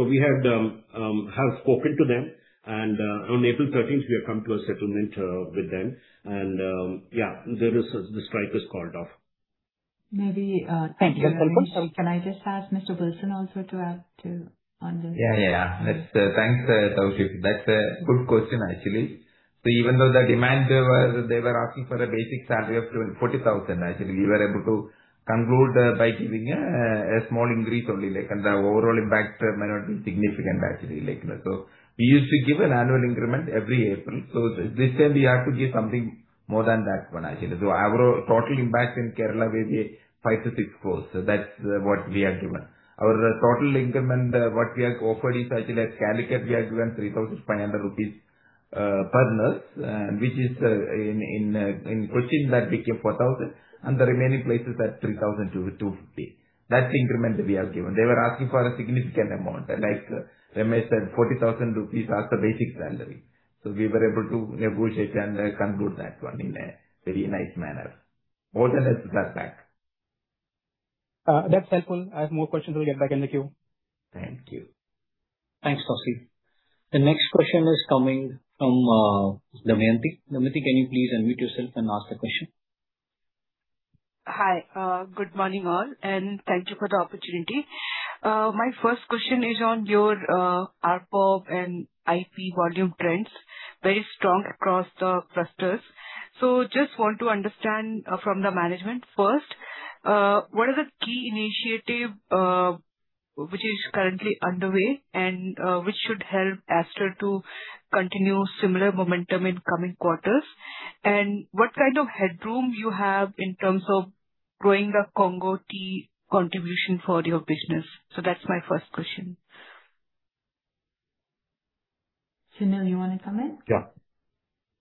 We have spoken to them and, on April 13th, we have come to a settlement with them and the strike was called off. Maybe. Thanks, Ramesh. Can I just ask Mr. Wilson also to add to on this? Yeah, yeah. That's. Thanks, Tausif. That's a good question actually. Even though the demand there was they were asking for a basic salary of 40,000, actually we were able to conclude by giving a small increase only. Like, the overall impact may not be significant actually like that. We used to give an annual increment every April. This time we have to give something more than that one actually. Our total impact in Kerala will be 5 crore-6 crore. That's what we have given. Our total increment what we have offered is actually at Calicut we have given 3,500 rupees per nurse, which is in Kochi that became 4,000 and the remaining places at 3,000 to [250]. That increment we have given. They were asking for a significant amount, like Ramesh said, 40,000 rupees as the basic salary. We were able to negotiate and conclude that one in a very nice manner. All the nurses are back. That's helpful. I have more questions. Will get back in the queue. Thank you. Thanks, Tausif. The next question is coming from Damayanti. Damayanti, can you please unmute yourself and ask the question? Hi, good morning all, and thank you for the opportunity. My first question is on your ARPOB and IP volume trends, very strong across the clusters. Just want to understand from the management first, what are the key initiative which is currently underway and which should help Aster to continue similar momentum in coming quarters? What kind of headroom you have in terms of growing the CONGO-T contribution for your business? That's my first question. Sunil, you wanna come in? Yeah.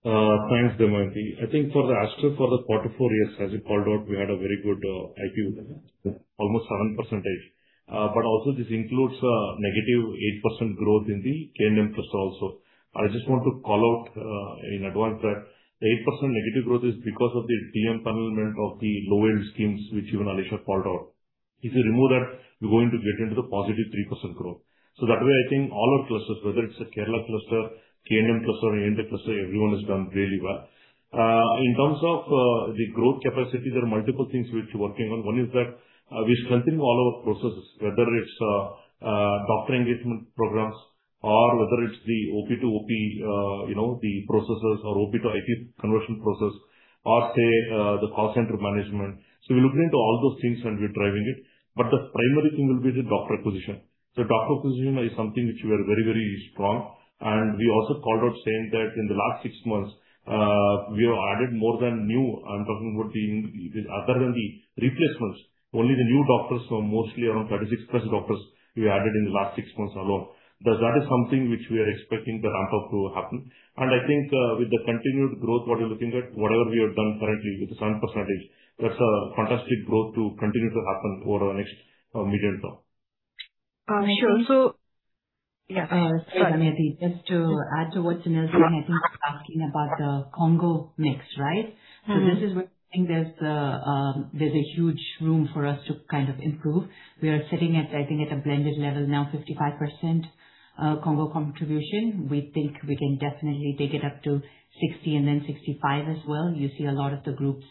Thanks, Damayanti. I think for the Aster, for the quarter four years as you called out, we had a very good IP, almost 7%. But also this includes -8% growth in the K&M cluster also. I just want to call out in advance that the 8% negative growth is because of the de-empanelment of the low-end schemes which even Alisha called out. If you remove that, you're going to get into the +3% growth. That way, I think all our clusters, whether it's a Kerala cluster, K&M cluster or A&T cluster, everyone has done really well. In terms of the growth capacity, there are multiple things which we're working on. We strengthen all our processes, whether it's doctor engagement programs or whether it's the OP to OP, you know, the processes or OP to IP conversion process or say, the call center management. We're looking into all those things and we're driving it. The primary thing will be the doctor acquisition. Doctor acquisition is something which we are very, very strong. We also called out saying that in the last six months, we have added more than new, I'm talking about the, other than the replacements, only the new doctors are mostly around 36 plus doctors we added in the last six months alone. That is something which we are expecting the ramp-up to happen. I think, with the continued growth, what you're looking at, whatever we have done currently with the 7%, that's a fantastic growth to continue to happen over the next, medium term. Sure. Yeah. Sorry, Damayanti. Just to add to what Sunil said, I think you're asking about the CONGO mix, right? This is where I think there's a huge room for us to kind of improve. We are sitting at, I think, at a blended level now 55% CONGO contribution. We think we can definitely take it up to 60% and then 65% as well. You see a lot of the groups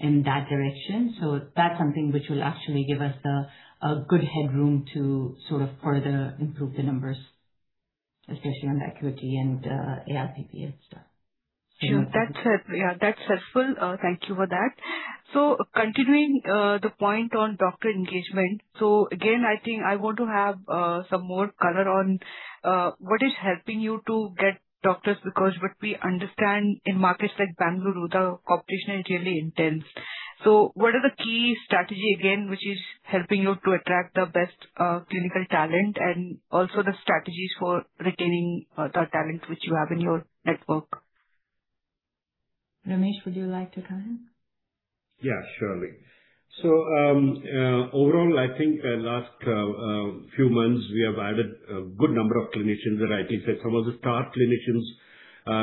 in that direction. That's something which will actually give us the good headroom to sort of further improve the numbers, especially on the acuity and ARPP and stuff. Sure. That's helpful. Thank you for that. Continuing the point on doctor engagement. Again, I think I want to have some more color on what is helping you to get doctors, because what we understand in markets like Bengaluru, the competition is really intense. What are the key strategy again, which is helping you to attract the best clinical talent and also the strategies for retaining the talent which you have in your network? Ramesh, would you like to come in? Yeah, surely. Overall, I think the last few months we have added a good number of clinicians that I think that some of the star clinicians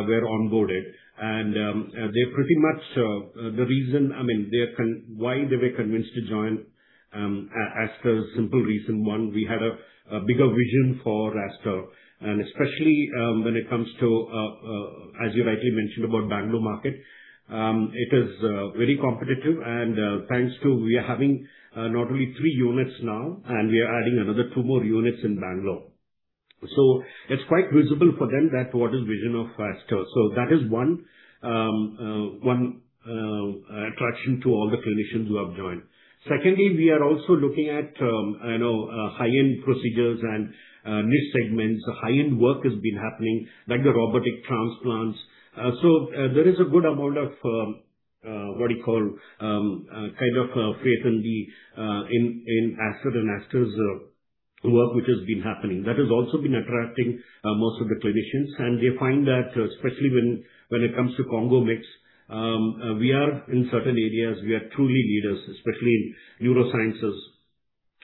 were onboarded. They're pretty much the reason, I mean, why they were convinced to join Aster, simple reason one, we had a bigger vision for Aster. Especially, when it comes to, as you rightly mentioned about Bangalore market, it is very competitive and thanks to we are having not only three units now, and we are adding another two more units in Bangalore. It's quite visible for them that what is vision of Aster. That is one attraction to all the clinicians who have joined. Secondly, we are also looking at, you know, high-end procedures and niche segments. The high-end work has been happening, like the robotic transplants. There is a good amount of what do you call, kind of faith in the in Aster and Aster's work which has been happening. That has also been attracting most of the clinicians. They find that, especially when it comes to CONGO mix, we are in certain areas, we are truly leaders, especially in neurosciences.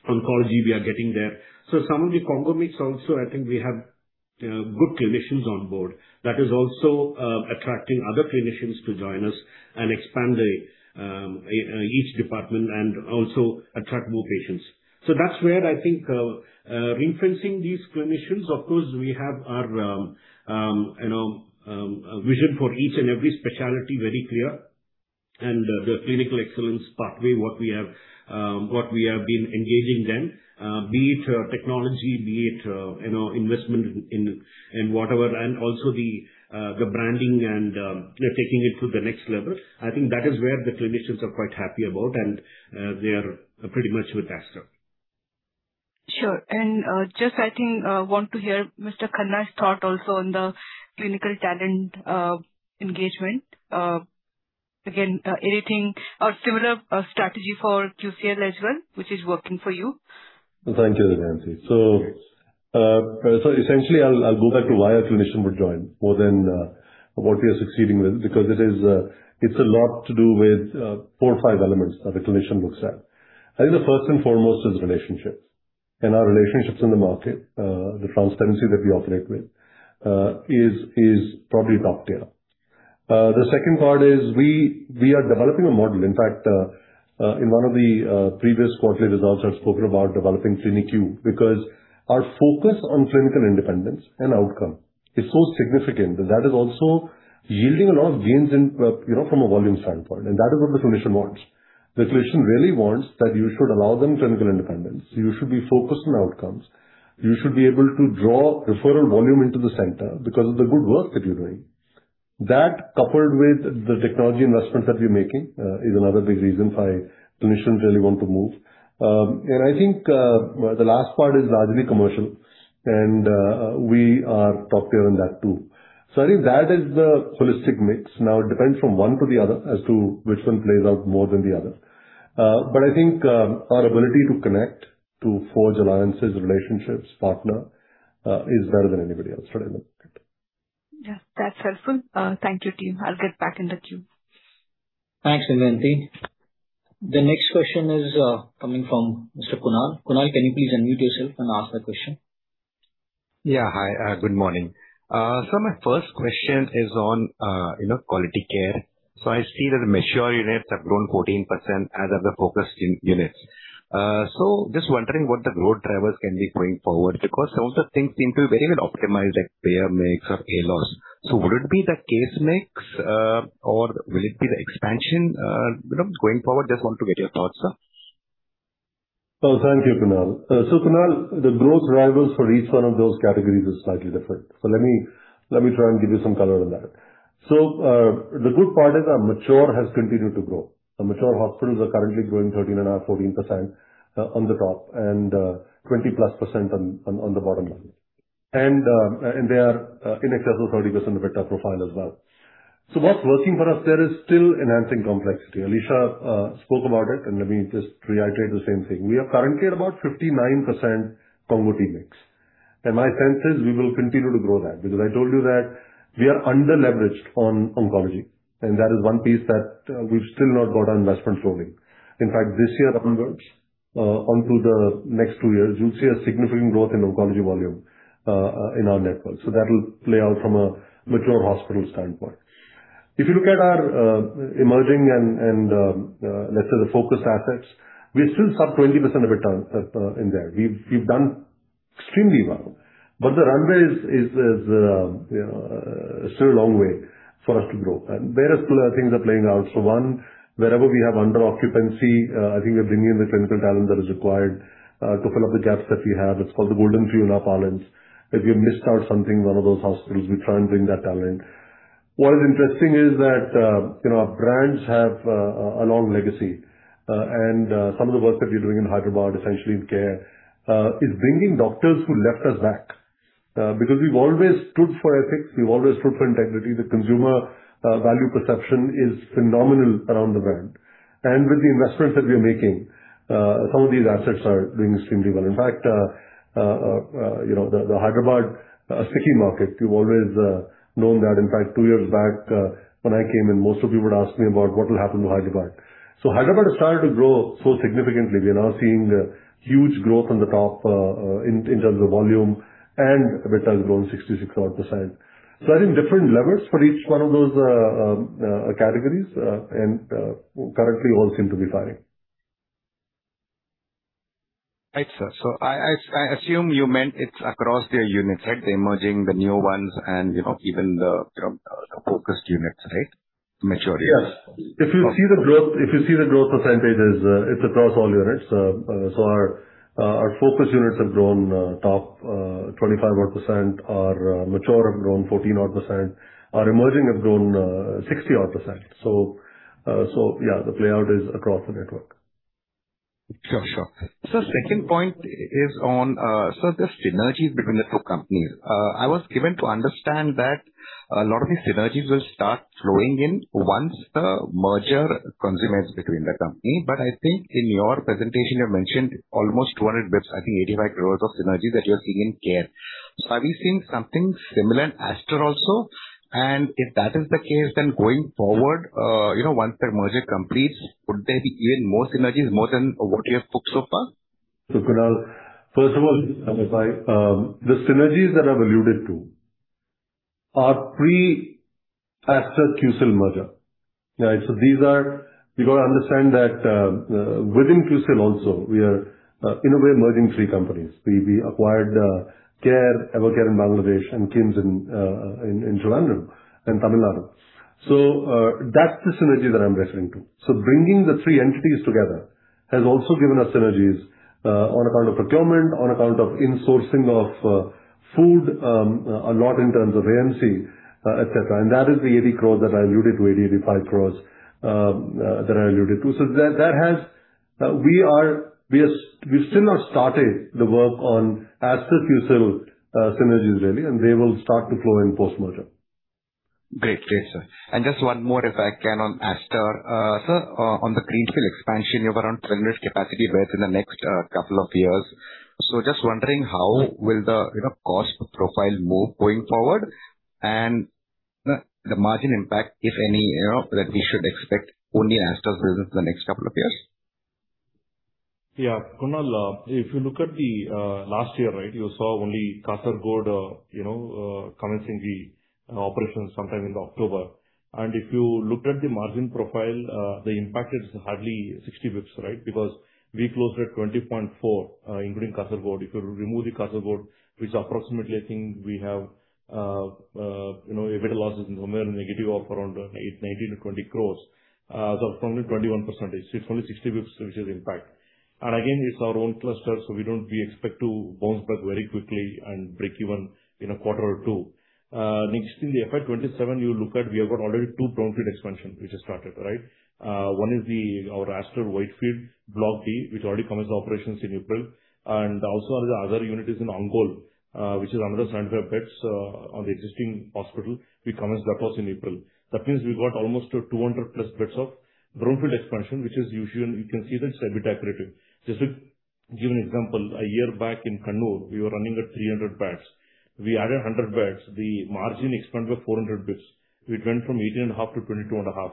Oncology, we are getting there. Some of the CONGO mix also, I think we have good clinicians on board. That is also attracting other clinicians to join us and expand the each department and also attract more patients. That's where I think reinforcing these clinicians. Of course, we have our, you know, vision for each and every specialty very clear. The clinical excellence pathway, what we have, what we have been engaging them, be it, technology, be it, you know, investment in whatever and also the branding and, you know, taking it to the next level. I think that is where the clinicians are quite happy about and, they are pretty much with Aster. Sure. Just I think, want to hear Mr. Khanna's thought also on the clinical talent engagement. Again, anything or similar strategy for QCIL as well, which is working for you. Thank you, Damayanti. Essentially I'll go back to why a clinician would join more than, what we are succeeding with, because it is a lot to do with four or five elements that a clinician looks at. I think the first and foremost is relationships. Our relationships in the market, the transparency that we operate with, is probably top tier. The second part is we are developing a model. In fact, in one of the previous quarterly results I've spoken about developing CliniQ because our focus on clinical independence and outcome is so significant that that is also yielding a lot of gains in, you know, from a volume standpoint, and that is what the clinician wants. The clinician really wants that you should allow them clinical independence. You should be focused on outcomes. You should be able to draw referral volume into the center because of the good work that you're doing. That coupled with the technology investments that we're making, is another big reason why clinicians really want to move. I think the last part is largely commercial, and we are top tier in that too. I think that is the holistic mix. Now it depends from one to the other as to which one plays out more than the other. I think our ability to connect, to forge alliances, relationships, partner, is better than anybody else today in the market. Yeah, that's helpful. Thank you, team. I'll get back in the queue. Thanks, Damayanti. The next question is coming from Mr. Kunal. Kunal, can you please unmute yourself and ask the question? Yeah. Hi, good morning. My first question is on, you know, Quality Care. I see that the mature units have grown 14%, as have the focused units. Just wondering what the growth drivers can be going forward, because some of the things seem to be very well optimized, like payer mix or ALOS. Would it be the case mix, or will it be the expansion, you know, going forward? Just want to get your thoughts, sir. Oh, thank you, Kunal. Kunal, the growth drivers for each one of those categories is slightly different. Let me try and give you some color on that. The good part is our mature has continued to grow. The mature hospitals are currently growing 13.5%, 14%, on the top and 20%+ on the bottom line. They are in excess of 30% of EBITDA profile as well. What's working for us there is still enhancing complexity. Alisha spoke about it, and let me just reiterate the same thing. We are currently at about 59% CONGO-T mix. My sense is we will continue to grow that because I told you that we are under-leveraged on oncology, and that is one piece that we've still not got our investment flowing. In fact, this year onwards, onto the next two years, you'll see a significant growth in oncology volume in our network. That'll play out from a mature hospital standpoint. If you look at our emerging and let's say the focused assets, we're still sub 20% of return in there. We've done extremely well. The runway is, you know, still a long way for us to grow. Various player things are playing out. One, wherever we have under-occupancy, I think we're bringing in the clinical talent that is required to fill up the gaps that we have. It's called the golden fuel in our parlance. If we have missed out something in one of those hospitals, we try and bring that talent. What is interesting is that, you know, our brands have a long legacy, and some of the work that we're doing in Hyderabad, essentially in CARE Hospitals, is bringing doctors who left us back. Because we've always stood for ethics, we've always stood for integrity. The consumer value perception is phenomenal around the brand. With the investments that we are making, some of these assets are doing extremely well. In fact, you know, the Hyderabad sticky market, you've always known that. In fact, two years back, when I came in, most of you would ask me about what will happen to Hyderabad. Hyderabad has started to grow so significantly. We are now seeing huge growth on the top, in terms of volume and EBITDA has grown 66-odd percent. I think different levers for each one of those categories, and currently all seem to be firing. Right, sir. I assume you meant it's across their units, right? The emerging, the new ones, and, you know, even the, you know, the focused units, right? Mature units. Yes. If you see the growth, if you see the growth percentages, it's across all units. Our, our focus units have grown, top, 25-odd percent. Our, mature have grown 14-odd percent. Our emerging have grown, 60-odd percent. Yeah, the play out is across the network. Sure, sure. Sir, second point is on, sir, just synergies between the two companies. I was given to understand that a lot of these synergies will start flowing in once the merger consummates between the company. I think in your presentation you mentioned almost 200 basis, I think 85 crore of synergy that you're seeing in CARE. Are we seeing something similar in Aster also? If that is the case, then going forward, you know, once the merger completes, could there be even more synergies, more than what you have booked so far? Kunal, first of all, the synergies that I've alluded to are pre-Aster-QCIL merger, right? You got to understand that within QCIL also we are in a way merging three companies. We acquired CARE, Evercare in Bangladesh, and KIMS in Sri Lanka and Tamil Nadu. That's the synergy that I'm referring to. Bringing the three entities together has also given us synergies on account of procurement, on account of insourcing of food, a lot in terms of RMC, et cetera. That is the 80 crore that I alluded to, 80-85 crore that I alluded to. We've still not started the work on Aster-QCIL synergies really. They will start to flow in post-merger. Great. Great, sir. Just one more, if I can, on Aster. Sir, on the greenfield expansion, you have around 20 capacity beds in the next couple of years. Just wondering how will the, you know, cost profile move going forward and the margin impact, if any, you know, that we should expect only in Aster's business in the next couple of years? Kunal, if you look at the last year, right? You saw only Kasargod, you know, commencing the operations sometime in October. If you looked at the margin profile, the impact is hardly 60 basis points, right? Because we closed at 20.4%, including Kasargod. If you remove the Kasargod, which approximately I think we have, you know, EBITDA losses somewhere negative of around 8, 19-20 crore. From the 21%, it's only 60 basis points which is impact. Again, it's our own cluster, we expect to bounce back very quickly and break even in a quarter or two. Next, in the FY 2027 you look at, we have got already two brownfield expansion which has started, right? One is the, our Aster Whitefield Block D, which already commenced operations in April. Also the other unit is in Ongole, which is another 75 beds on the existing hospital. We commenced that also in April. We got almost 200+ beds of brownfield expansion, which is usually, you can see that it's EBITDA accretive. Just to give you an example, a year back in Kannur, we were running at 300 beds. We added 100 beds. The margin expanded by 400 basis points. It went from 18.5% to 22.5%,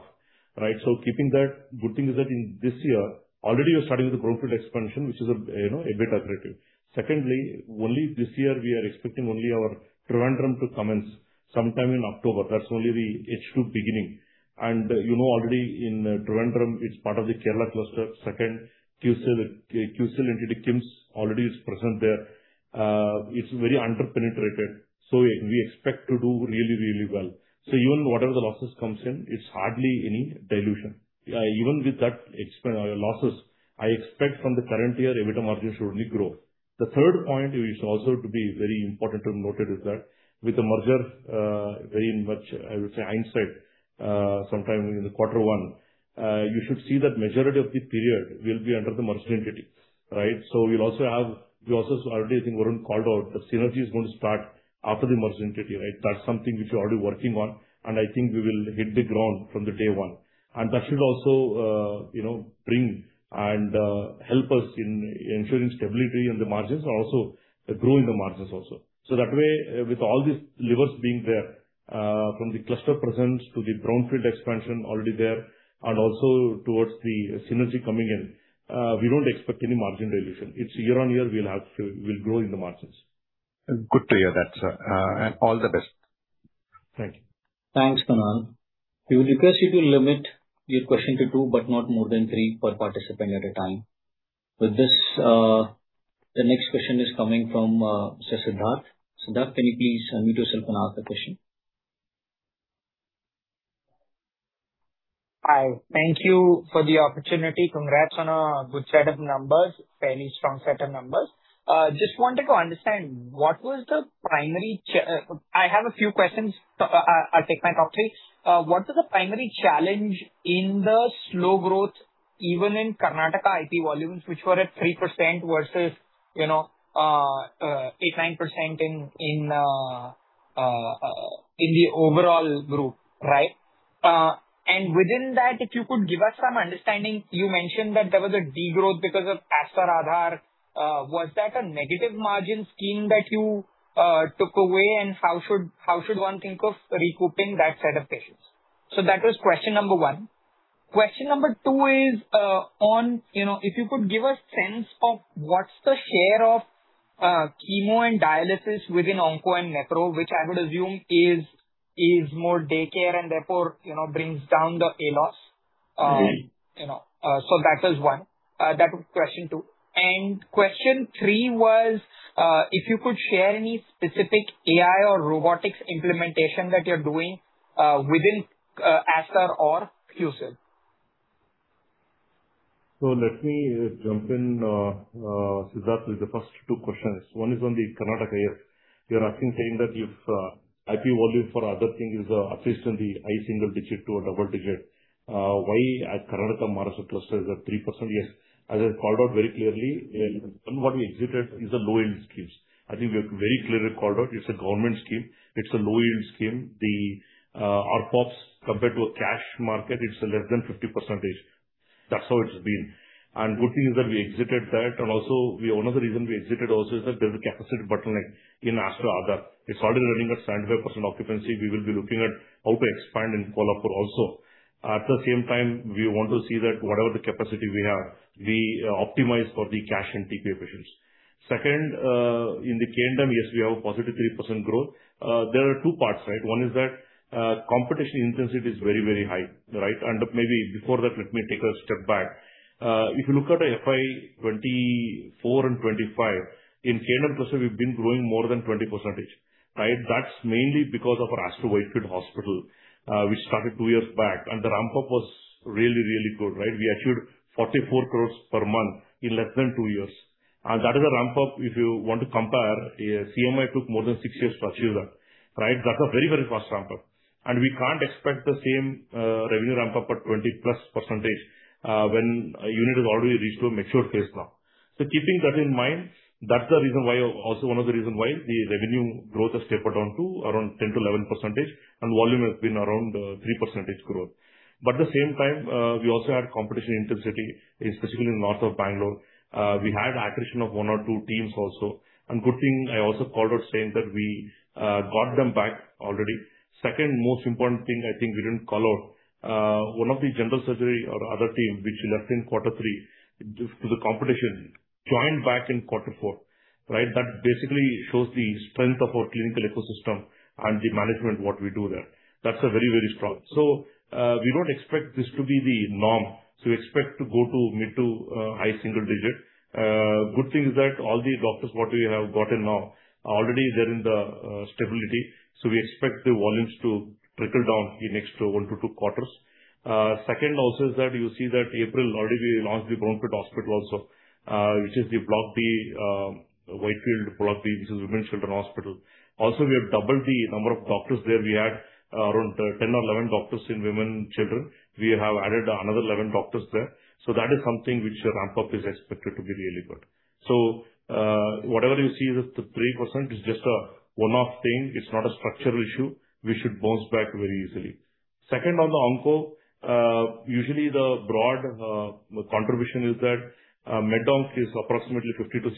right? Keeping that, good thing is that in this year already we're starting with the brownfield expansion, which is a, you know, EBITDA accretive. Secondly, only this year we are expecting only our Trivandrum to commence sometime in October. That's only the H2 beginning. You know already in Trivandrum it's part of the Kerala cluster. Second, QCIL entity KIMS already is present there. It's very under-penetrated. We expect to do really, really well. Even whatever the losses comes in, it's hardly any dilution. Even with that losses, I expect from the current year EBITDA margin should only grow. The third point which also to be very important to noted is that with the merger, very much I would say hindsight, sometime in the quarter one, you should see that majority of the period will be under the merged entity, right? We'll also have, we also already I think Varun called out the synergy is going to start after the merged entity, right? That's something which we're already working on, and I think we will hit the ground from the day one. That should also, you know, bring and help us in ensuring stability in the margins, also growing the margins also. That way, with all these levers being there, from the cluster presence to the brownfield expansion already there, and also towards the synergy coming in, we don't expect any margin dilution. It's year-on-year we'll grow in the margins. Good to hear that, sir. All the best. Thank you. Thanks, Kunal. We would request you to limit your question to two, but not more than three per participant at a time. With this, the next question is coming from Sir Siddharth. Siddharth, can you please unmute yourself and ask the question. Hi. Thank you for the opportunity. Congrats on a good set of numbers, fairly strong set of numbers. I have a few questions. I'll take my top three. What was the primary challenge in the slow growth even in Karnataka IP volumes, which were at 3% versus, you know, 8%, 9% in the overall group, right? Within that, if you could give us some understanding. You mentioned that there was a degrowth because of Aster Aadhar. Was that a negative margin scheme that you took away? How should one think of recouping that set of patients? That was question number one. Question number two is, on, you know, if you could give a sense of what's the share of chemo and dialysis within onco and macro, which I would assume is more daycare and therefore, you know, brings down the ALOS, you know. That is one. That was question two. Question three was, if you could share any specific AI or robotics implementation that you're doing, within Aster or QCIL. Let me jump in, Siddharth, with the first two questions. One is on the Karnataka year. You're asking, saying that if IP volume for other thing is at least in the high single digit to a double digit, why at Karnataka-Maharashtra cluster is at 3%? Yes. As I called out very clearly, one what we exited is a low-yield scheme. I think we have very clearly called out it's a government scheme. It's a low-yield scheme. The [ARPP] compared to a cash market, it's less than 50%. That's how it's been. Good thing is that we exited that. Also we, one of the reason we exited also is that there's a capacity bottleneck in Aster Aadhar. It's already running at 75% occupancy. We will be looking at how to expand in Q4 also. At the same time, we want to see that whatever the capacity we have, we optimize for the cash and TPA patients. Second, in the K&M, yes, we have a +3% growth. There are two parts, right? One is that competition intensity is very, very high, right? Maybe before that, let me take a step back. If you look at the FY 2024 and 2025, in K&M cluster we've been growing more than 20%, right? That's mainly because of our Aster Whitefield Hospital, which started two years back, and the ramp-up was really, really good, right? We achieved 44 crore per month in less than two years. That is a ramp-up, if you want to compare, CMI took more than six years to achieve that, right? That's a very, very fast ramp-up. We can't expect the same revenue ramp-up at 20%+when a unit is already reached to a mature phase now. Keeping that in mind, that's the reason why, also one of the reason why the revenue growth has tapered down to around 10%-11% and volume has been around 3% growth. At the same time, we also had competition intensity, especially in north of Bangalore. We had attrition of one or two teams also. Good thing I also called out saying that we got them back already. Second most important thing, I think we didn't call out, one of the general surgery or other team which left in Q3 due to the competition, joined back in Q4, right? That basically shows the strength of our clinical ecosystem. The management, what we do there, that's a very, very strong. We don't expect this to be the norm. We expect to go to mid to high single digit. Good thing is that all the doctors what we have gotten now, already they're in the stability, so we expect the volumes to trickle down in next one to two quarters. Second also is that you see that April already we launched the brownfield hospital also, which is the Block B, Whitefield Block B, which is Women and Children Hospital. We have doubled the number of doctors there. We had around 10 or 11 doctors in Women and Children. We have added another 11 doctors there. That is something which ramp-up is expected to be really good. Whatever you see as the 3% is just a one-off thing. It's not a structural issue. We should bounce back very easily. Second, on the onco, usually the broad contribution is that med onc is approximately 50%-60%,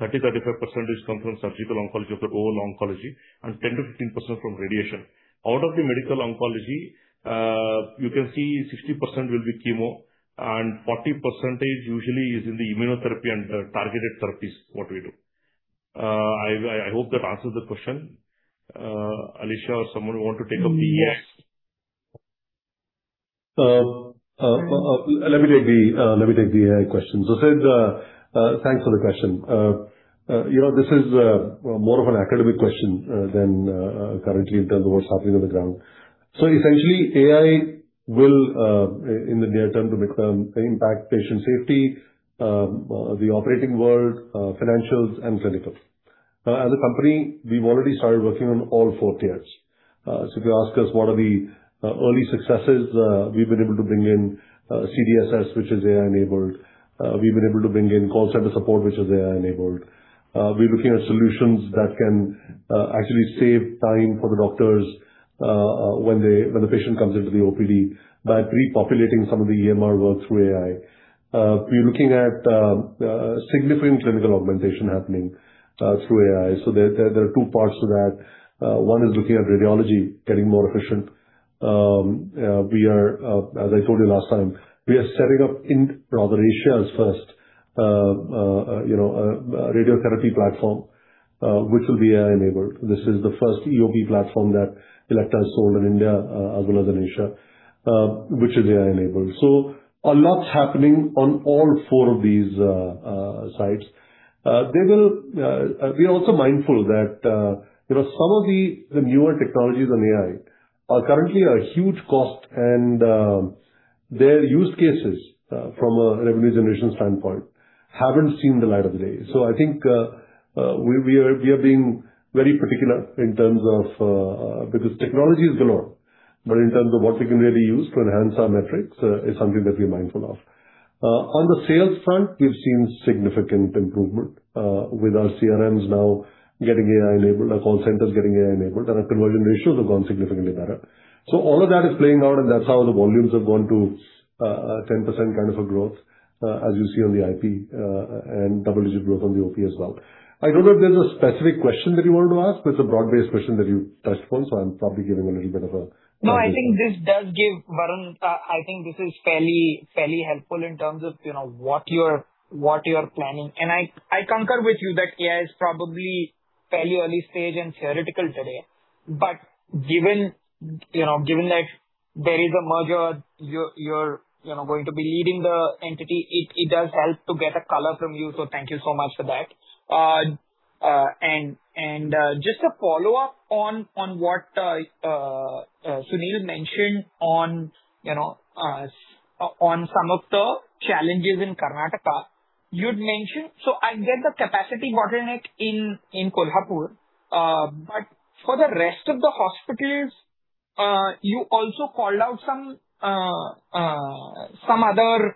30%-35% is coming from surgical oncology of the overall oncology, and 10%-15% from radiation. Out of the medical oncology, you can see 60% will be chemo and 40% usually is in the immunotherapy and the targeted therapies, what we do. I hope that answers the question. Alisha or someone want to take up the AI— Yes. Let me take the AI question. Sid, thanks for the question. You know, this is more of an academic question than currently in terms of what's happening on the ground. Essentially, AI will in the near term to midterm impact patient safety, the operating world, financials and clinical. As a company, we've already started working on all four tiers. If you ask us what are the early successes, we've been able to bring in CDSS, which is AI-enabled. We've been able to bring in call center support, which is AI-enabled. We're looking at solutions that can actually save time for the doctors when the patient comes into the OPD by prepopulating some of the EMR work through AI. We're looking at significant clinical augmentation happening through AI. There are two parts to that. One is looking at radiology getting more efficient. We are, as I told you last time, we are setting up Asia's first radiotherapy platform, which will be AI-enabled. This is the first EOB platform that Elekta has sold in India, as well as in Asia, which is AI-enabled. A lot's happening on all four of these sides. They will. We are also mindful that some of the newer technologies on AI are currently a huge cost, and their use cases from a revenue generation standpoint haven't seen the light of the day. I think, we are being very particular in terms of, because technology is galore, but in terms of what we can really use to enhance our metrics, is something that we are mindful of. On the sales front, we've seen significant improvement, with our CRMs now getting AI-enabled, our call centers getting AI-enabled, and our conversion ratios have gone significantly better. All of that is playing out, and that's how the volumes have gone to a 10% kind of a growth, as you see on the IP, and double-digit growth on the OP as well. I don't know if there's a specific question that you wanted to ask, but it's a broad-based question that you touched upon, so I'm probably giving— No, I think this does give, Varun, I think this is fairly helpful in terms of, you know, what you're, what you're planning. I concur with you that AI is probably fairly early stage and theoretical today. Given, you know, given that there is a merger, you're, you know, going to be leading the entity, it does help to get a color from you. Thank you so much for that. Just a follow-up on what Sunil mentioned on, you know, on some of the challenges in Karnataka. I get the capacity bottleneck in Kolhapur. For the rest of the hospitals, you also called out some other,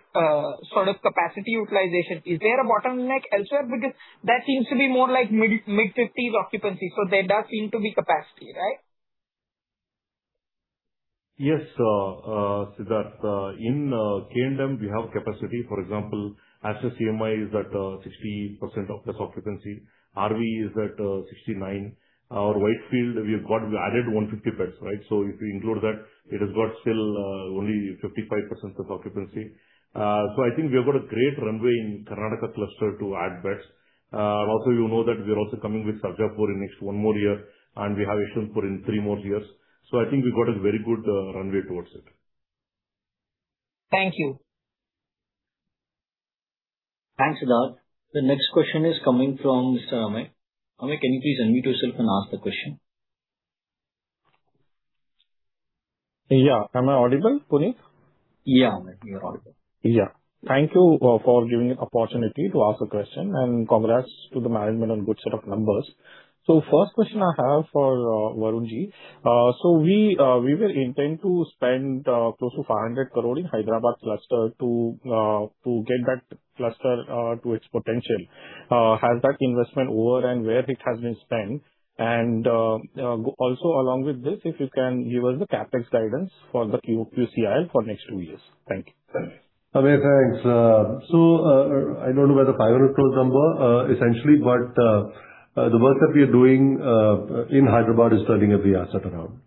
sort of capacity utilization. Is there a bottleneck elsewhere? Because that seems to be more like mid-50s occupancy, so there does seem to be capacity, right? Yes, Siddharth. In K&M we have capacity. For example, Aster CMI is at 60% of the soft occupancy. RV is at 69%. Our Whitefield, we added 150 beds, right? If you include that, it has got still only 55% of occupancy. I think we have got a great runway in Karnataka cluster to add beds. Also you know that we are also coming with Sarjapur in next one more year, and we have Yeshwanthpur in three more years. I think we've got a very good runway towards it. Thank you. Thanks, Siddharth. The next question is coming from Mr. Amey. Amey, can you please unmute yourself and ask the question? Yeah. Am I audible, Puneet? Yeah, Amey, you're audible. Yeah. Thank you for giving an opportunity to ask a question, and congrats to the management on good set of numbers. First question I have for Varun Ji. We were intend to spend close to 500 crore in Hyderabad cluster to get that cluster to its potential. Has that investment over and where it has been spent? Also along with this, if you can give us the CapEx guidance for the QCIL for next two years. Thank you. Amey, thanks. I don't know where the 500 crore number. Essentially what the work that we are doing in Hyderabad is starting at the asset around.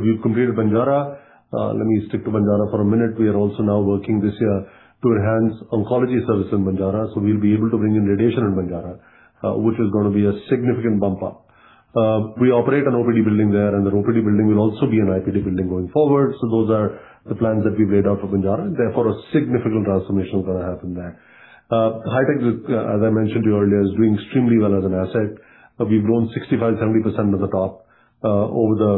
We've completed Banjara. Let me stick to Banjara for a minute. We are also now working this year to enhance oncology service in Banjara. We'll be able to bring in radiation in Banjara, which is gonna be a significant bump-up. We operate an OPD building there, and the OPD building will also be an IPD building going forward. Those are the plans that we've laid out for Banjara. Therefore, a significant transformation is gonna happen there. Hi-Tech, as I mentioned to you earlier, is doing extremely well as an asset. We've grown 65%, 70% of the top, over the,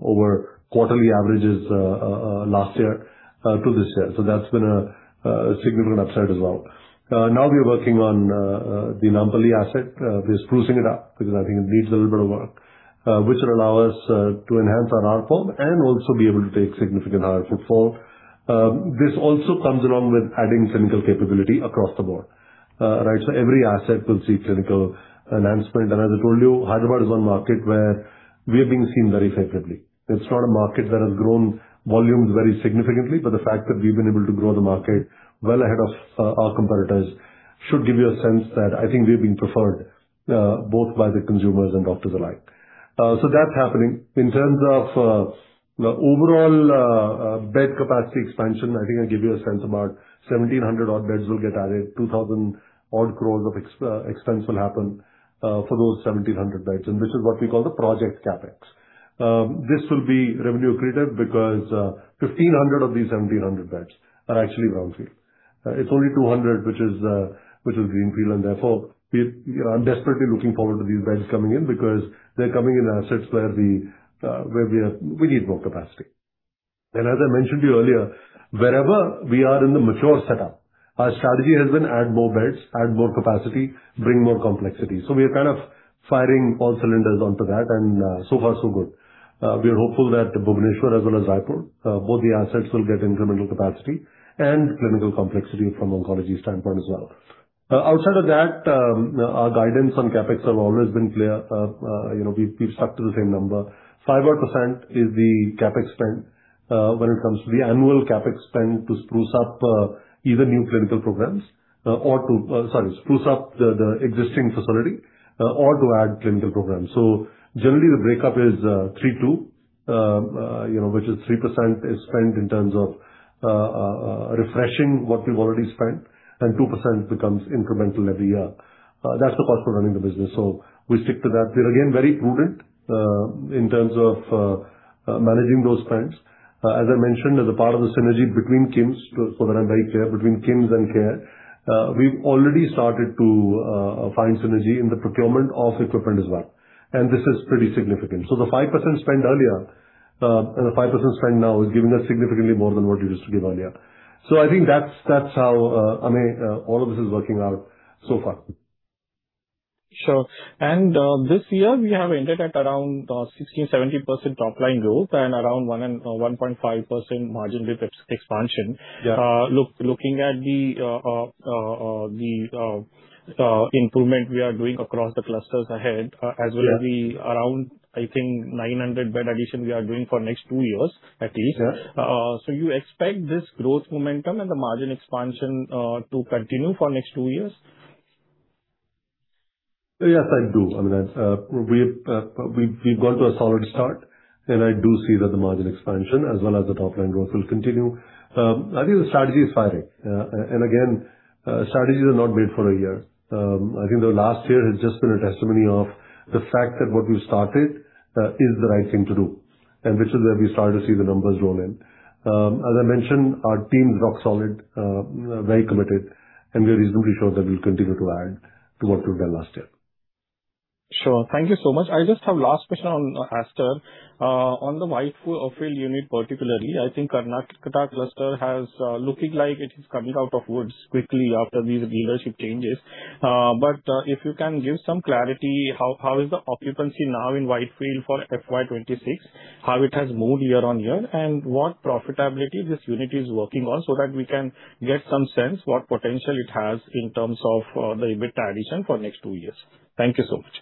over quarterly averages, last year, to this year. That's been a significant upside as well. Now we are working on the Nampally asset. We're sprucing it up because I think it needs a little bit of work, which will allow us to enhance our R4 and also be able to take significant R4. This also comes along with adding clinical capability across the board. Right. Every asset will see clinical enhancement. As I told you, Hyderabad is one market where we are being seen very favorably. It's not a market that has grown volumes very significantly, but the fact that we've been able to grow the market well ahead of our competitors should give you a sense that I think we're being preferred both by the consumers and doctors alike. That's happening. In terms of the overall bed capacity expansion, I think I give you a sense about 1,700 odd beds will get added, 2,000-odd crore of expense will happen for those 1,700 beds, and this is what we call the project CapEx. This will be revenue accretive because 1,500 of these 1,700 beds are actually brownfield. It's only 200 which is greenfield, therefore I'm desperately looking forward to these beds coming in because they're coming in assets where we need more capacity. As I mentioned to you earlier, wherever we are in the mature setup, our strategy has been add more beds, add more capacity, bring more complexity. We are kind of firing all cylinders onto that, so far so good. We are hopeful that Bhubaneswar as well as Jaipur, both the assets will get incremental capacity and clinical complexity from oncology standpoint as well. Outside of that, our guidance on CapEx have always been clear. You know, we've stuck to the same number. Five-odd percent is the CapEx spend when it comes to the annual CapEx spend to spruce up either new clinical programs or to spruce up the existing facility or to add clinical programs. Generally, the breakup is 3/2. you know, which is 3% is spent in terms of refreshing what we've already spent, and 2% becomes incremental every year. That's the cost of running the business. We stick to that. We're again very prudent in terms of managing those spends. As I mentioned, as a part of the synergy between KIMS, so that I'm very clear, between KIMS and CARE, we've already started to find synergy in the procurement of equipment as well, and this is pretty significant. The 5% spend earlier, and the 5% spend now is giving us significantly more than what it used to give earlier. I think that's how, I mean, all of this is working out so far. Sure. This year we have entered at around 16%-70% top-line growth and around 1%-1.5% margin with expansion. Yeah. Looking at the improvement we are doing across the clusters ahead. Yeah. As well as the around, I think, 900 bed addition we are doing for next two years at least. Yeah. You expect this growth momentum and the margin expansion to continue for next 2 years? Yes, I do. I mean, we've got to a solid start, and I do see that the margin expansion as well as the top-line growth will continue. I think the strategy is firing. Again, strategies are not made for a year. I think the last year has just been a testimony of the fact that what we've started is the right thing to do, and which is where we started to see the numbers roll in. As I mentioned, our team is rock solid, very committed, and we are reasonably sure that we'll continue to add to what we've done last year. Sure. Thank you so much. I just have last question on Aster. On the Whitefield unit particularly, I think Karnataka cluster has looking like it is coming out of woods quickly after these leadership changes. If you can give some clarity, how is the occupancy now in Whitefield for FY 2026? How it has moved year-on-year? What profitability this unit is working on so that we can get some sense what potential it has in terms of the EBITDA addition for next 2 years. Thank you so much.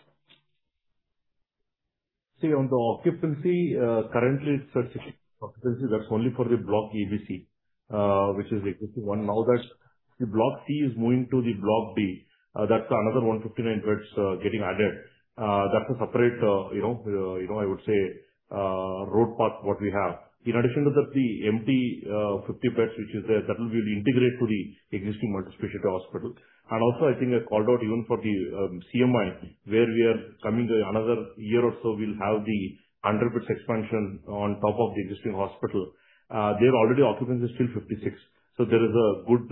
See, on the occupancy, currently it's at 60 occupancy. That's only for the block ABC, which is the existing one. Now that the block C is moving to the block B, that's another 159 beds getting added. That's a separate, you know, you know, I would say, road path what we have. In addition to that, the empty 50 beds which is there, that will be integrated to the existing multispecialty hospital. Also, I think I called out even for the CMI, where we are coming to another year or so, we'll have the 100 beds expansion on top of the existing hospital. There already occupancy is still 56, so there is a good,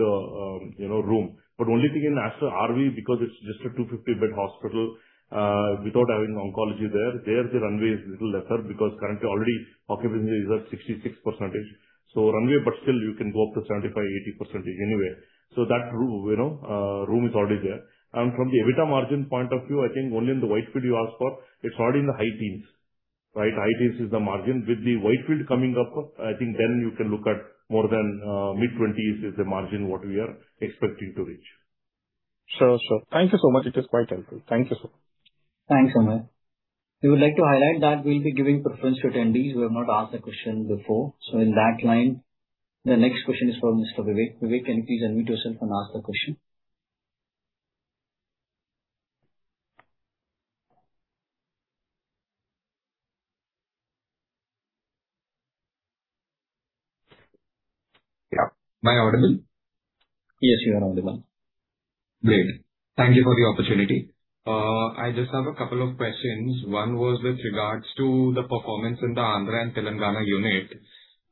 you know, room. Only thing in Aster RV, because it's just a 250-bed hospital, without having oncology there the runway is little lesser because currently already occupancy is at 66%. Runway, but still you can go up to 75%-80% anyway. That you know, room is already there. From the EBITDA margin point of view, I think only in the Whitefield you asked for, it's already in the high teens, right? High teens is the margin. With the Whitefield coming up, I think then you can look at more than, mid-twenties is the margin what we are expecting to reach. Sure. Sure. Thank you so much. It is quite helpful. Thank you, sir. Thanks, Amey. We would like to highlight that we'll be giving preference to attendees who have not asked a question before. In that line, the next question is from Mr. Vivek. Vivek, can you please unmute yourself and ask the question? Yeah. Am I audible? Yes, you are audible. Great. Thank you for the opportunity. I just have a couple of questions. One was with regards to the performance in the Andhra and Telangana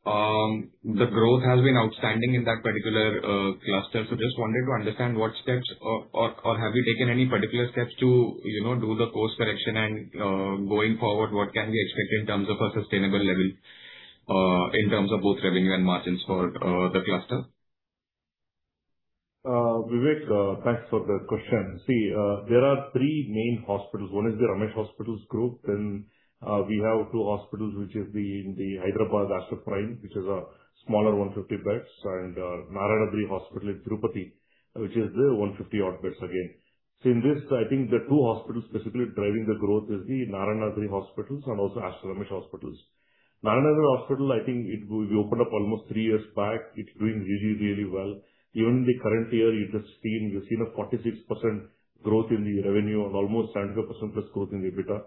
unit. The growth has been outstanding in that particular cluster. Just wanted to understand what steps or have you taken any particular steps to, you know, do the course correction and going forward, what can we expect in terms of a sustainable level in terms of both revenue and margins for the cluster? Vivek, thanks for the question. There are three main hospitals. One is the Ramesh Hospitals Group. We have two hospitals, which is the, in the Hyderabad Aster Prime, which is a smaller 150 beds, and Aster Narayanadri Hospital in Tirupati, which is the 150 odd beds again. In this, I think the two hospitals specifically driving the growth is the Aster Narayanadri Hospitals and also Aster Ramesh Hospitals. Aster Narayanadri Hospital, I think it we opened up almost 3 years back. It's doing really, really well. Even in the current year, we've just seen, we've seen a 46% growth in the revenue and almost 75% plus growth in EBITDA.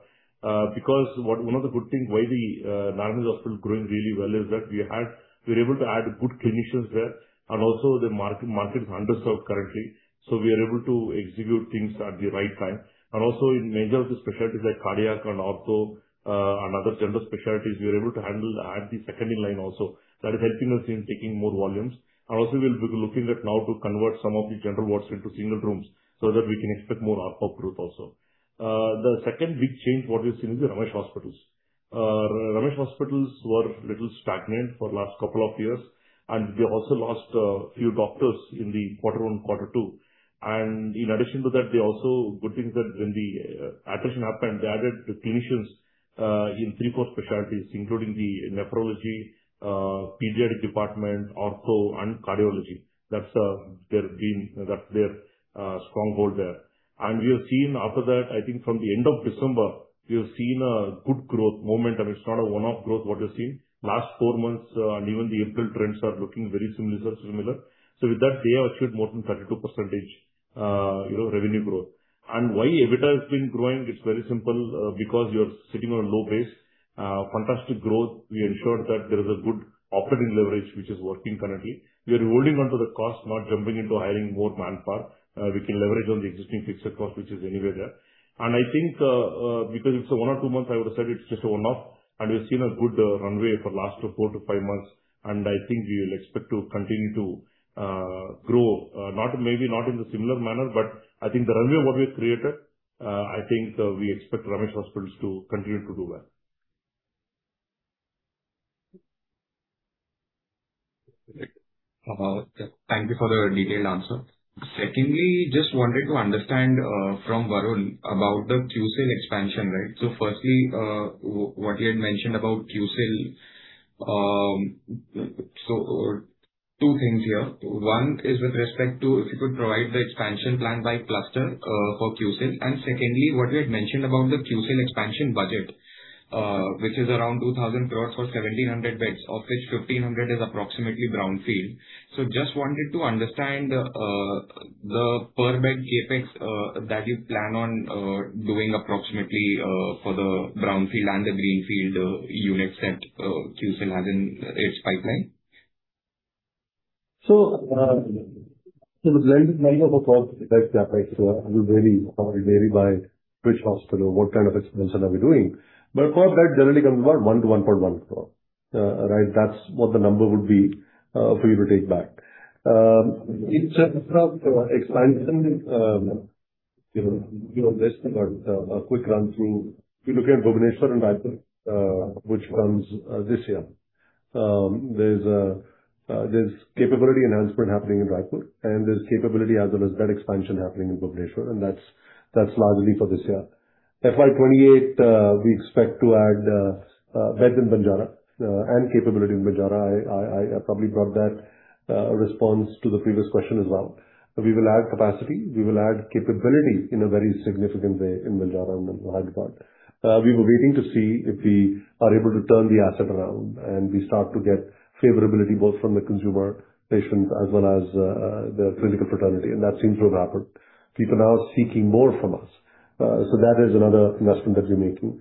Because one of the good things why the Aster Narayanadri Hospital growing really well is that we were able to add good clinicians there. The market is underserved currently. We are able to execute things at the right time. In major of the specialties like cardiac and ortho, and other general specialties, we are able to handle at the 2nd in line also. That is helping us in taking more volumes. We'll be looking at now to convert some of the general wards into single rooms so that we can expect more ARPP growth also. The 2nd big change what we've seen is the Ramesh Hospitals. Ramesh Hospitals were a little stagnant for last 2 years, and they also lost a few doctors in the Q1, Q2. In addition to that, good thing that when the attrition happened, they added the clinicians in 3 core specialties, including the nephrology, pediatric department, ortho, and cardiology. That's their stronghold there. We have seen after that, I think from the end of December, we have seen a good growth momentum. It's not a one-off growth what we've seen. Last four months, and even the April trends are looking very similarly, so similar. With that, they have achieved more than 32% you know, revenue growth. Why EBITDA has been growing, it's very simple, because you're sitting on low base. Fantastic growth. We ensured that there is a good operating leverage, which is working currently. We are holding onto the cost, not jumping into hiring more manpower. We can leverage on the existing fixed cost, which is anyway there. I think, because it's a one or two month, I would have said it's just a one-off. We've seen a good runway for last 4 to 5 months. I think we will expect to continue to grow. Not maybe not in the similar manner, but I think the runway what we have created, I think, we expect Ramesh Hospitals to continue to do well. Thank you for the detailed answer. Secondly, just wanted to understand from Varun about the QCIL expansion, right? Firstly, what you had mentioned about QCIL, two things here. One is with respect to if you could provide the expansion plan by cluster for QCIL. Secondly, what we had mentioned about the QCIL expansion budget, which is around 2,000 crore for 1,700 beds, of which 1,500 is approximately brownfield. Just wanted to understand the per bed CapEx that you plan on doing approximately for the brownfield and the greenfield units that QCIL has in its pipeline. The blend of a cost like CapEx will vary by which hospital, what kind of expansion are we doing. Cost, that generally comes about 1 crore-1.1 crore. Right, that's what the number would be for you to take back. In terms of expansion, you know, you know this, but a quick run through. If you look at Bhubaneswar and Raipur, which comes this year, there's capability enhancement happening in Raipur and there's capability as well as bed expansion happening in Bhubaneswar, and that's largely for this year. FY 2028, we expect to add beds in Banjara and capability in Banjara. I probably brought that response to the previous question as well. We will add capacity. We will add capability in a very significant way in Banjara and Hyderabad. We were waiting to see if we are able to turn the asset around and we start to get favorability both from the consumer patients as well as the clinical fraternity, and that seems to have happened. People are now seeking more from us. That is another investment that we're making.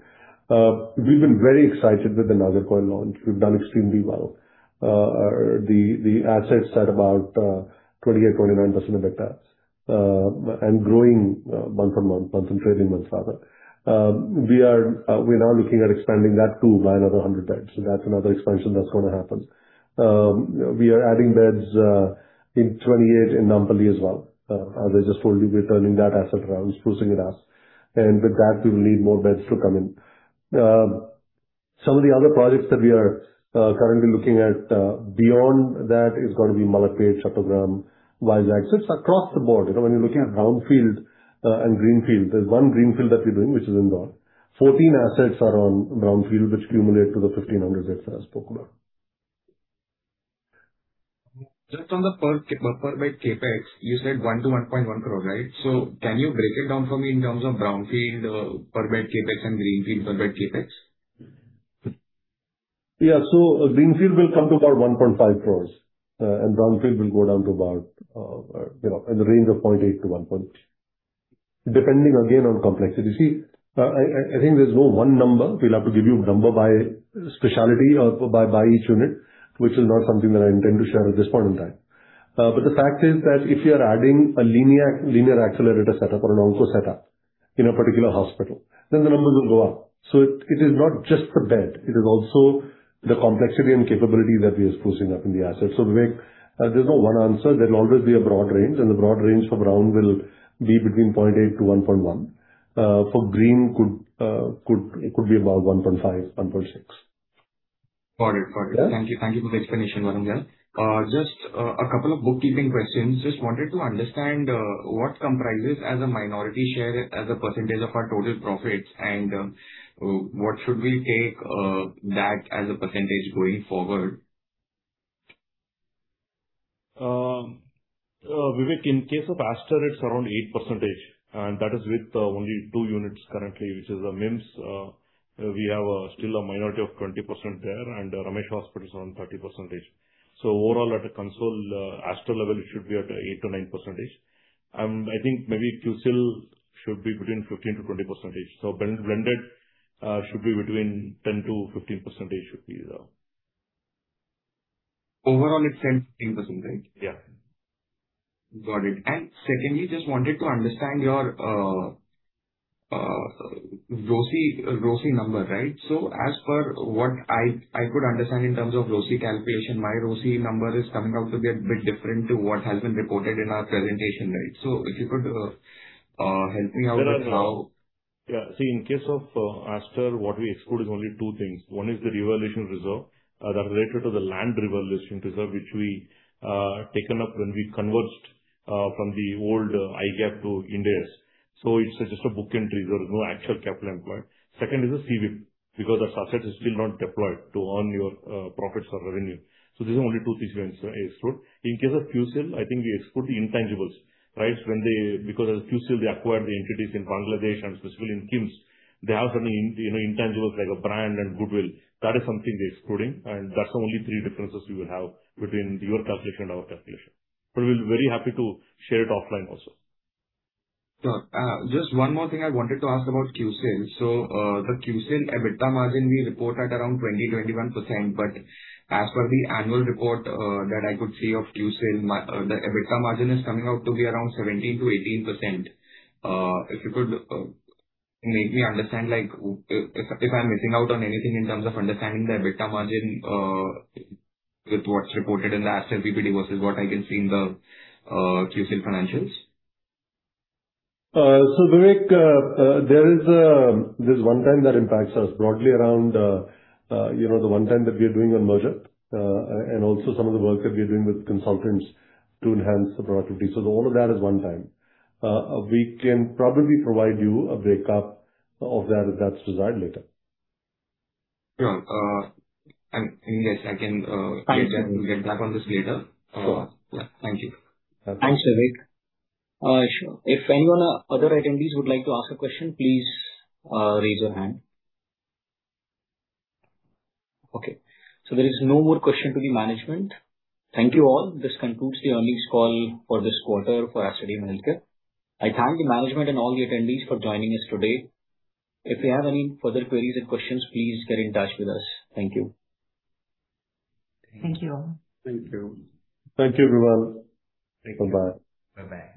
We've been very excited with the Nagercoil launch. We've done extremely well. The assets at about 28%-29% EBITDA and growing month-on-month, month-on-trading month rather. We are now looking at expanding that to by another 100 beds. That's another expansion that's gonna happen. We are adding beds in 28 in Nampally as well. As I just told you, we're turning that asset around, sprucing it up. With that, we will need more beds to come in. Some of the other projects that we are currently looking at beyond that is gonna be Malappuram, Chittoor, Vizag. It's across the board. You know, when you're looking at brownfield and greenfield, there's one greenfield that we're doing, which is in Goa. 14 assets are on brownfield, which cumulate to the 1,500 beds I spoke about. Just on the per bed CapEx, you said 1 crore-1.1 crore, right? Can you break it down for me in terms of brownfield per bed CapEx and greenfield per bed CapEx? Yeah. Greenfield will come to about 1.5 crore. Brownfield will go down to about, you know, in the range of 0.8-1 crore, depending again on complexity. See, I think there's no one number. We'll have to give you number by specialty or by each unit, which is not something that I intend to share at this point in time. The fact is that if you are adding a linear accelerator setup or an onco setup in a particular hospital, then the numbers will go up. It is not just the bed, it is also the complexity and capability that we are sprucing up in the asset. Vivek, there's no one answer. There'll always be a broad range, and the broad range for brown will be between 0.8 to 1.1. For green it could be about 1.5, 1.6. Got it. Got it. Yeah. Thank you. Thank you for the explanation, Varun, yeah. Just a couple of bookkeeping questions. Just wanted to understand what comprises as a minority share, as a percentage of our total profits, and what should we take that as a percentage going forward? Vivek, in case of Aster, it's around 8%, and that is with only two units currently, which is the MIMS. We have still a minority of 20% there, and Ramesh Hospital is around 30%. Overall, at a consol, Aster level, it should be at 8%-9%. I think maybe QCIL should be between 15%-20%. Blended should be between 10%-15%. Overall, it's 10%-15%, right? Yeah. Got it. Secondly, just wanted to understand your ROCE number, right? As per what I could understand in terms of ROCE calculation, my ROCE number is coming out to be a bit different to what has been reported in our presentation, right? If you could help me out. See, in case of Aster, what we exclude is only two things. One is the revaluation reserve, that related to the land revaluation reserve which we taken up when we converged from the old IGAAP to Ind AS. It's just a book entry. There is no actual capital employed. Second is the CWIP because the asset is still not deployed to earn your profits or revenue. These are only two things we exclude. In case of QCIL, I think we exclude the intangibles, right? Because as QCIL, they acquired the entities in Bangladesh and specifically in KIMS, they have some in—you know, intangibles like a brand and goodwill. That is something we're excluding, and that's the only three differences you will have between your calculation and our calculation. We'll be very happy to share it offline also. Sure. Just one more thing I wanted to ask about QCIL. The QCIL EBITDA margin we report at around 20%-21%. As per the annual report that I could see of QCIL, the EBITDA margin is coming out to be around 17%-18%. If you could make me understand, if I'm missing out on anything in terms of understanding the EBITDA margin, with what's reported in the Aster PPT versus what I can see in the QCIL financials. Vivek, there is, there's one time that impacts us broadly around, you know, the one time that we are doing a merger, and also some of the work that we are doing with consultants to enhance the productivity. All of that is one time. We can probably provide you a break-up of that if that's desired later. Sure. Yes, I can— Fine. Get back, get back on this later. Sure. Yeah. Thank you. Okay. Thanks, Vivek. Sure. If anyone, other attendees would like to ask a question, please raise your hand. Okay. There is no more question to the management. Thank you, all. This concludes the earnings call for this quarter for Aster DM Healthcare. I thank the management and all the attendees for joining us today. If you have any further queries and questions, please get in touch with us. Thank you. Thank you, all. Thank you. Thank you, everyone. Thank you. Bye-bye. Bye-bye.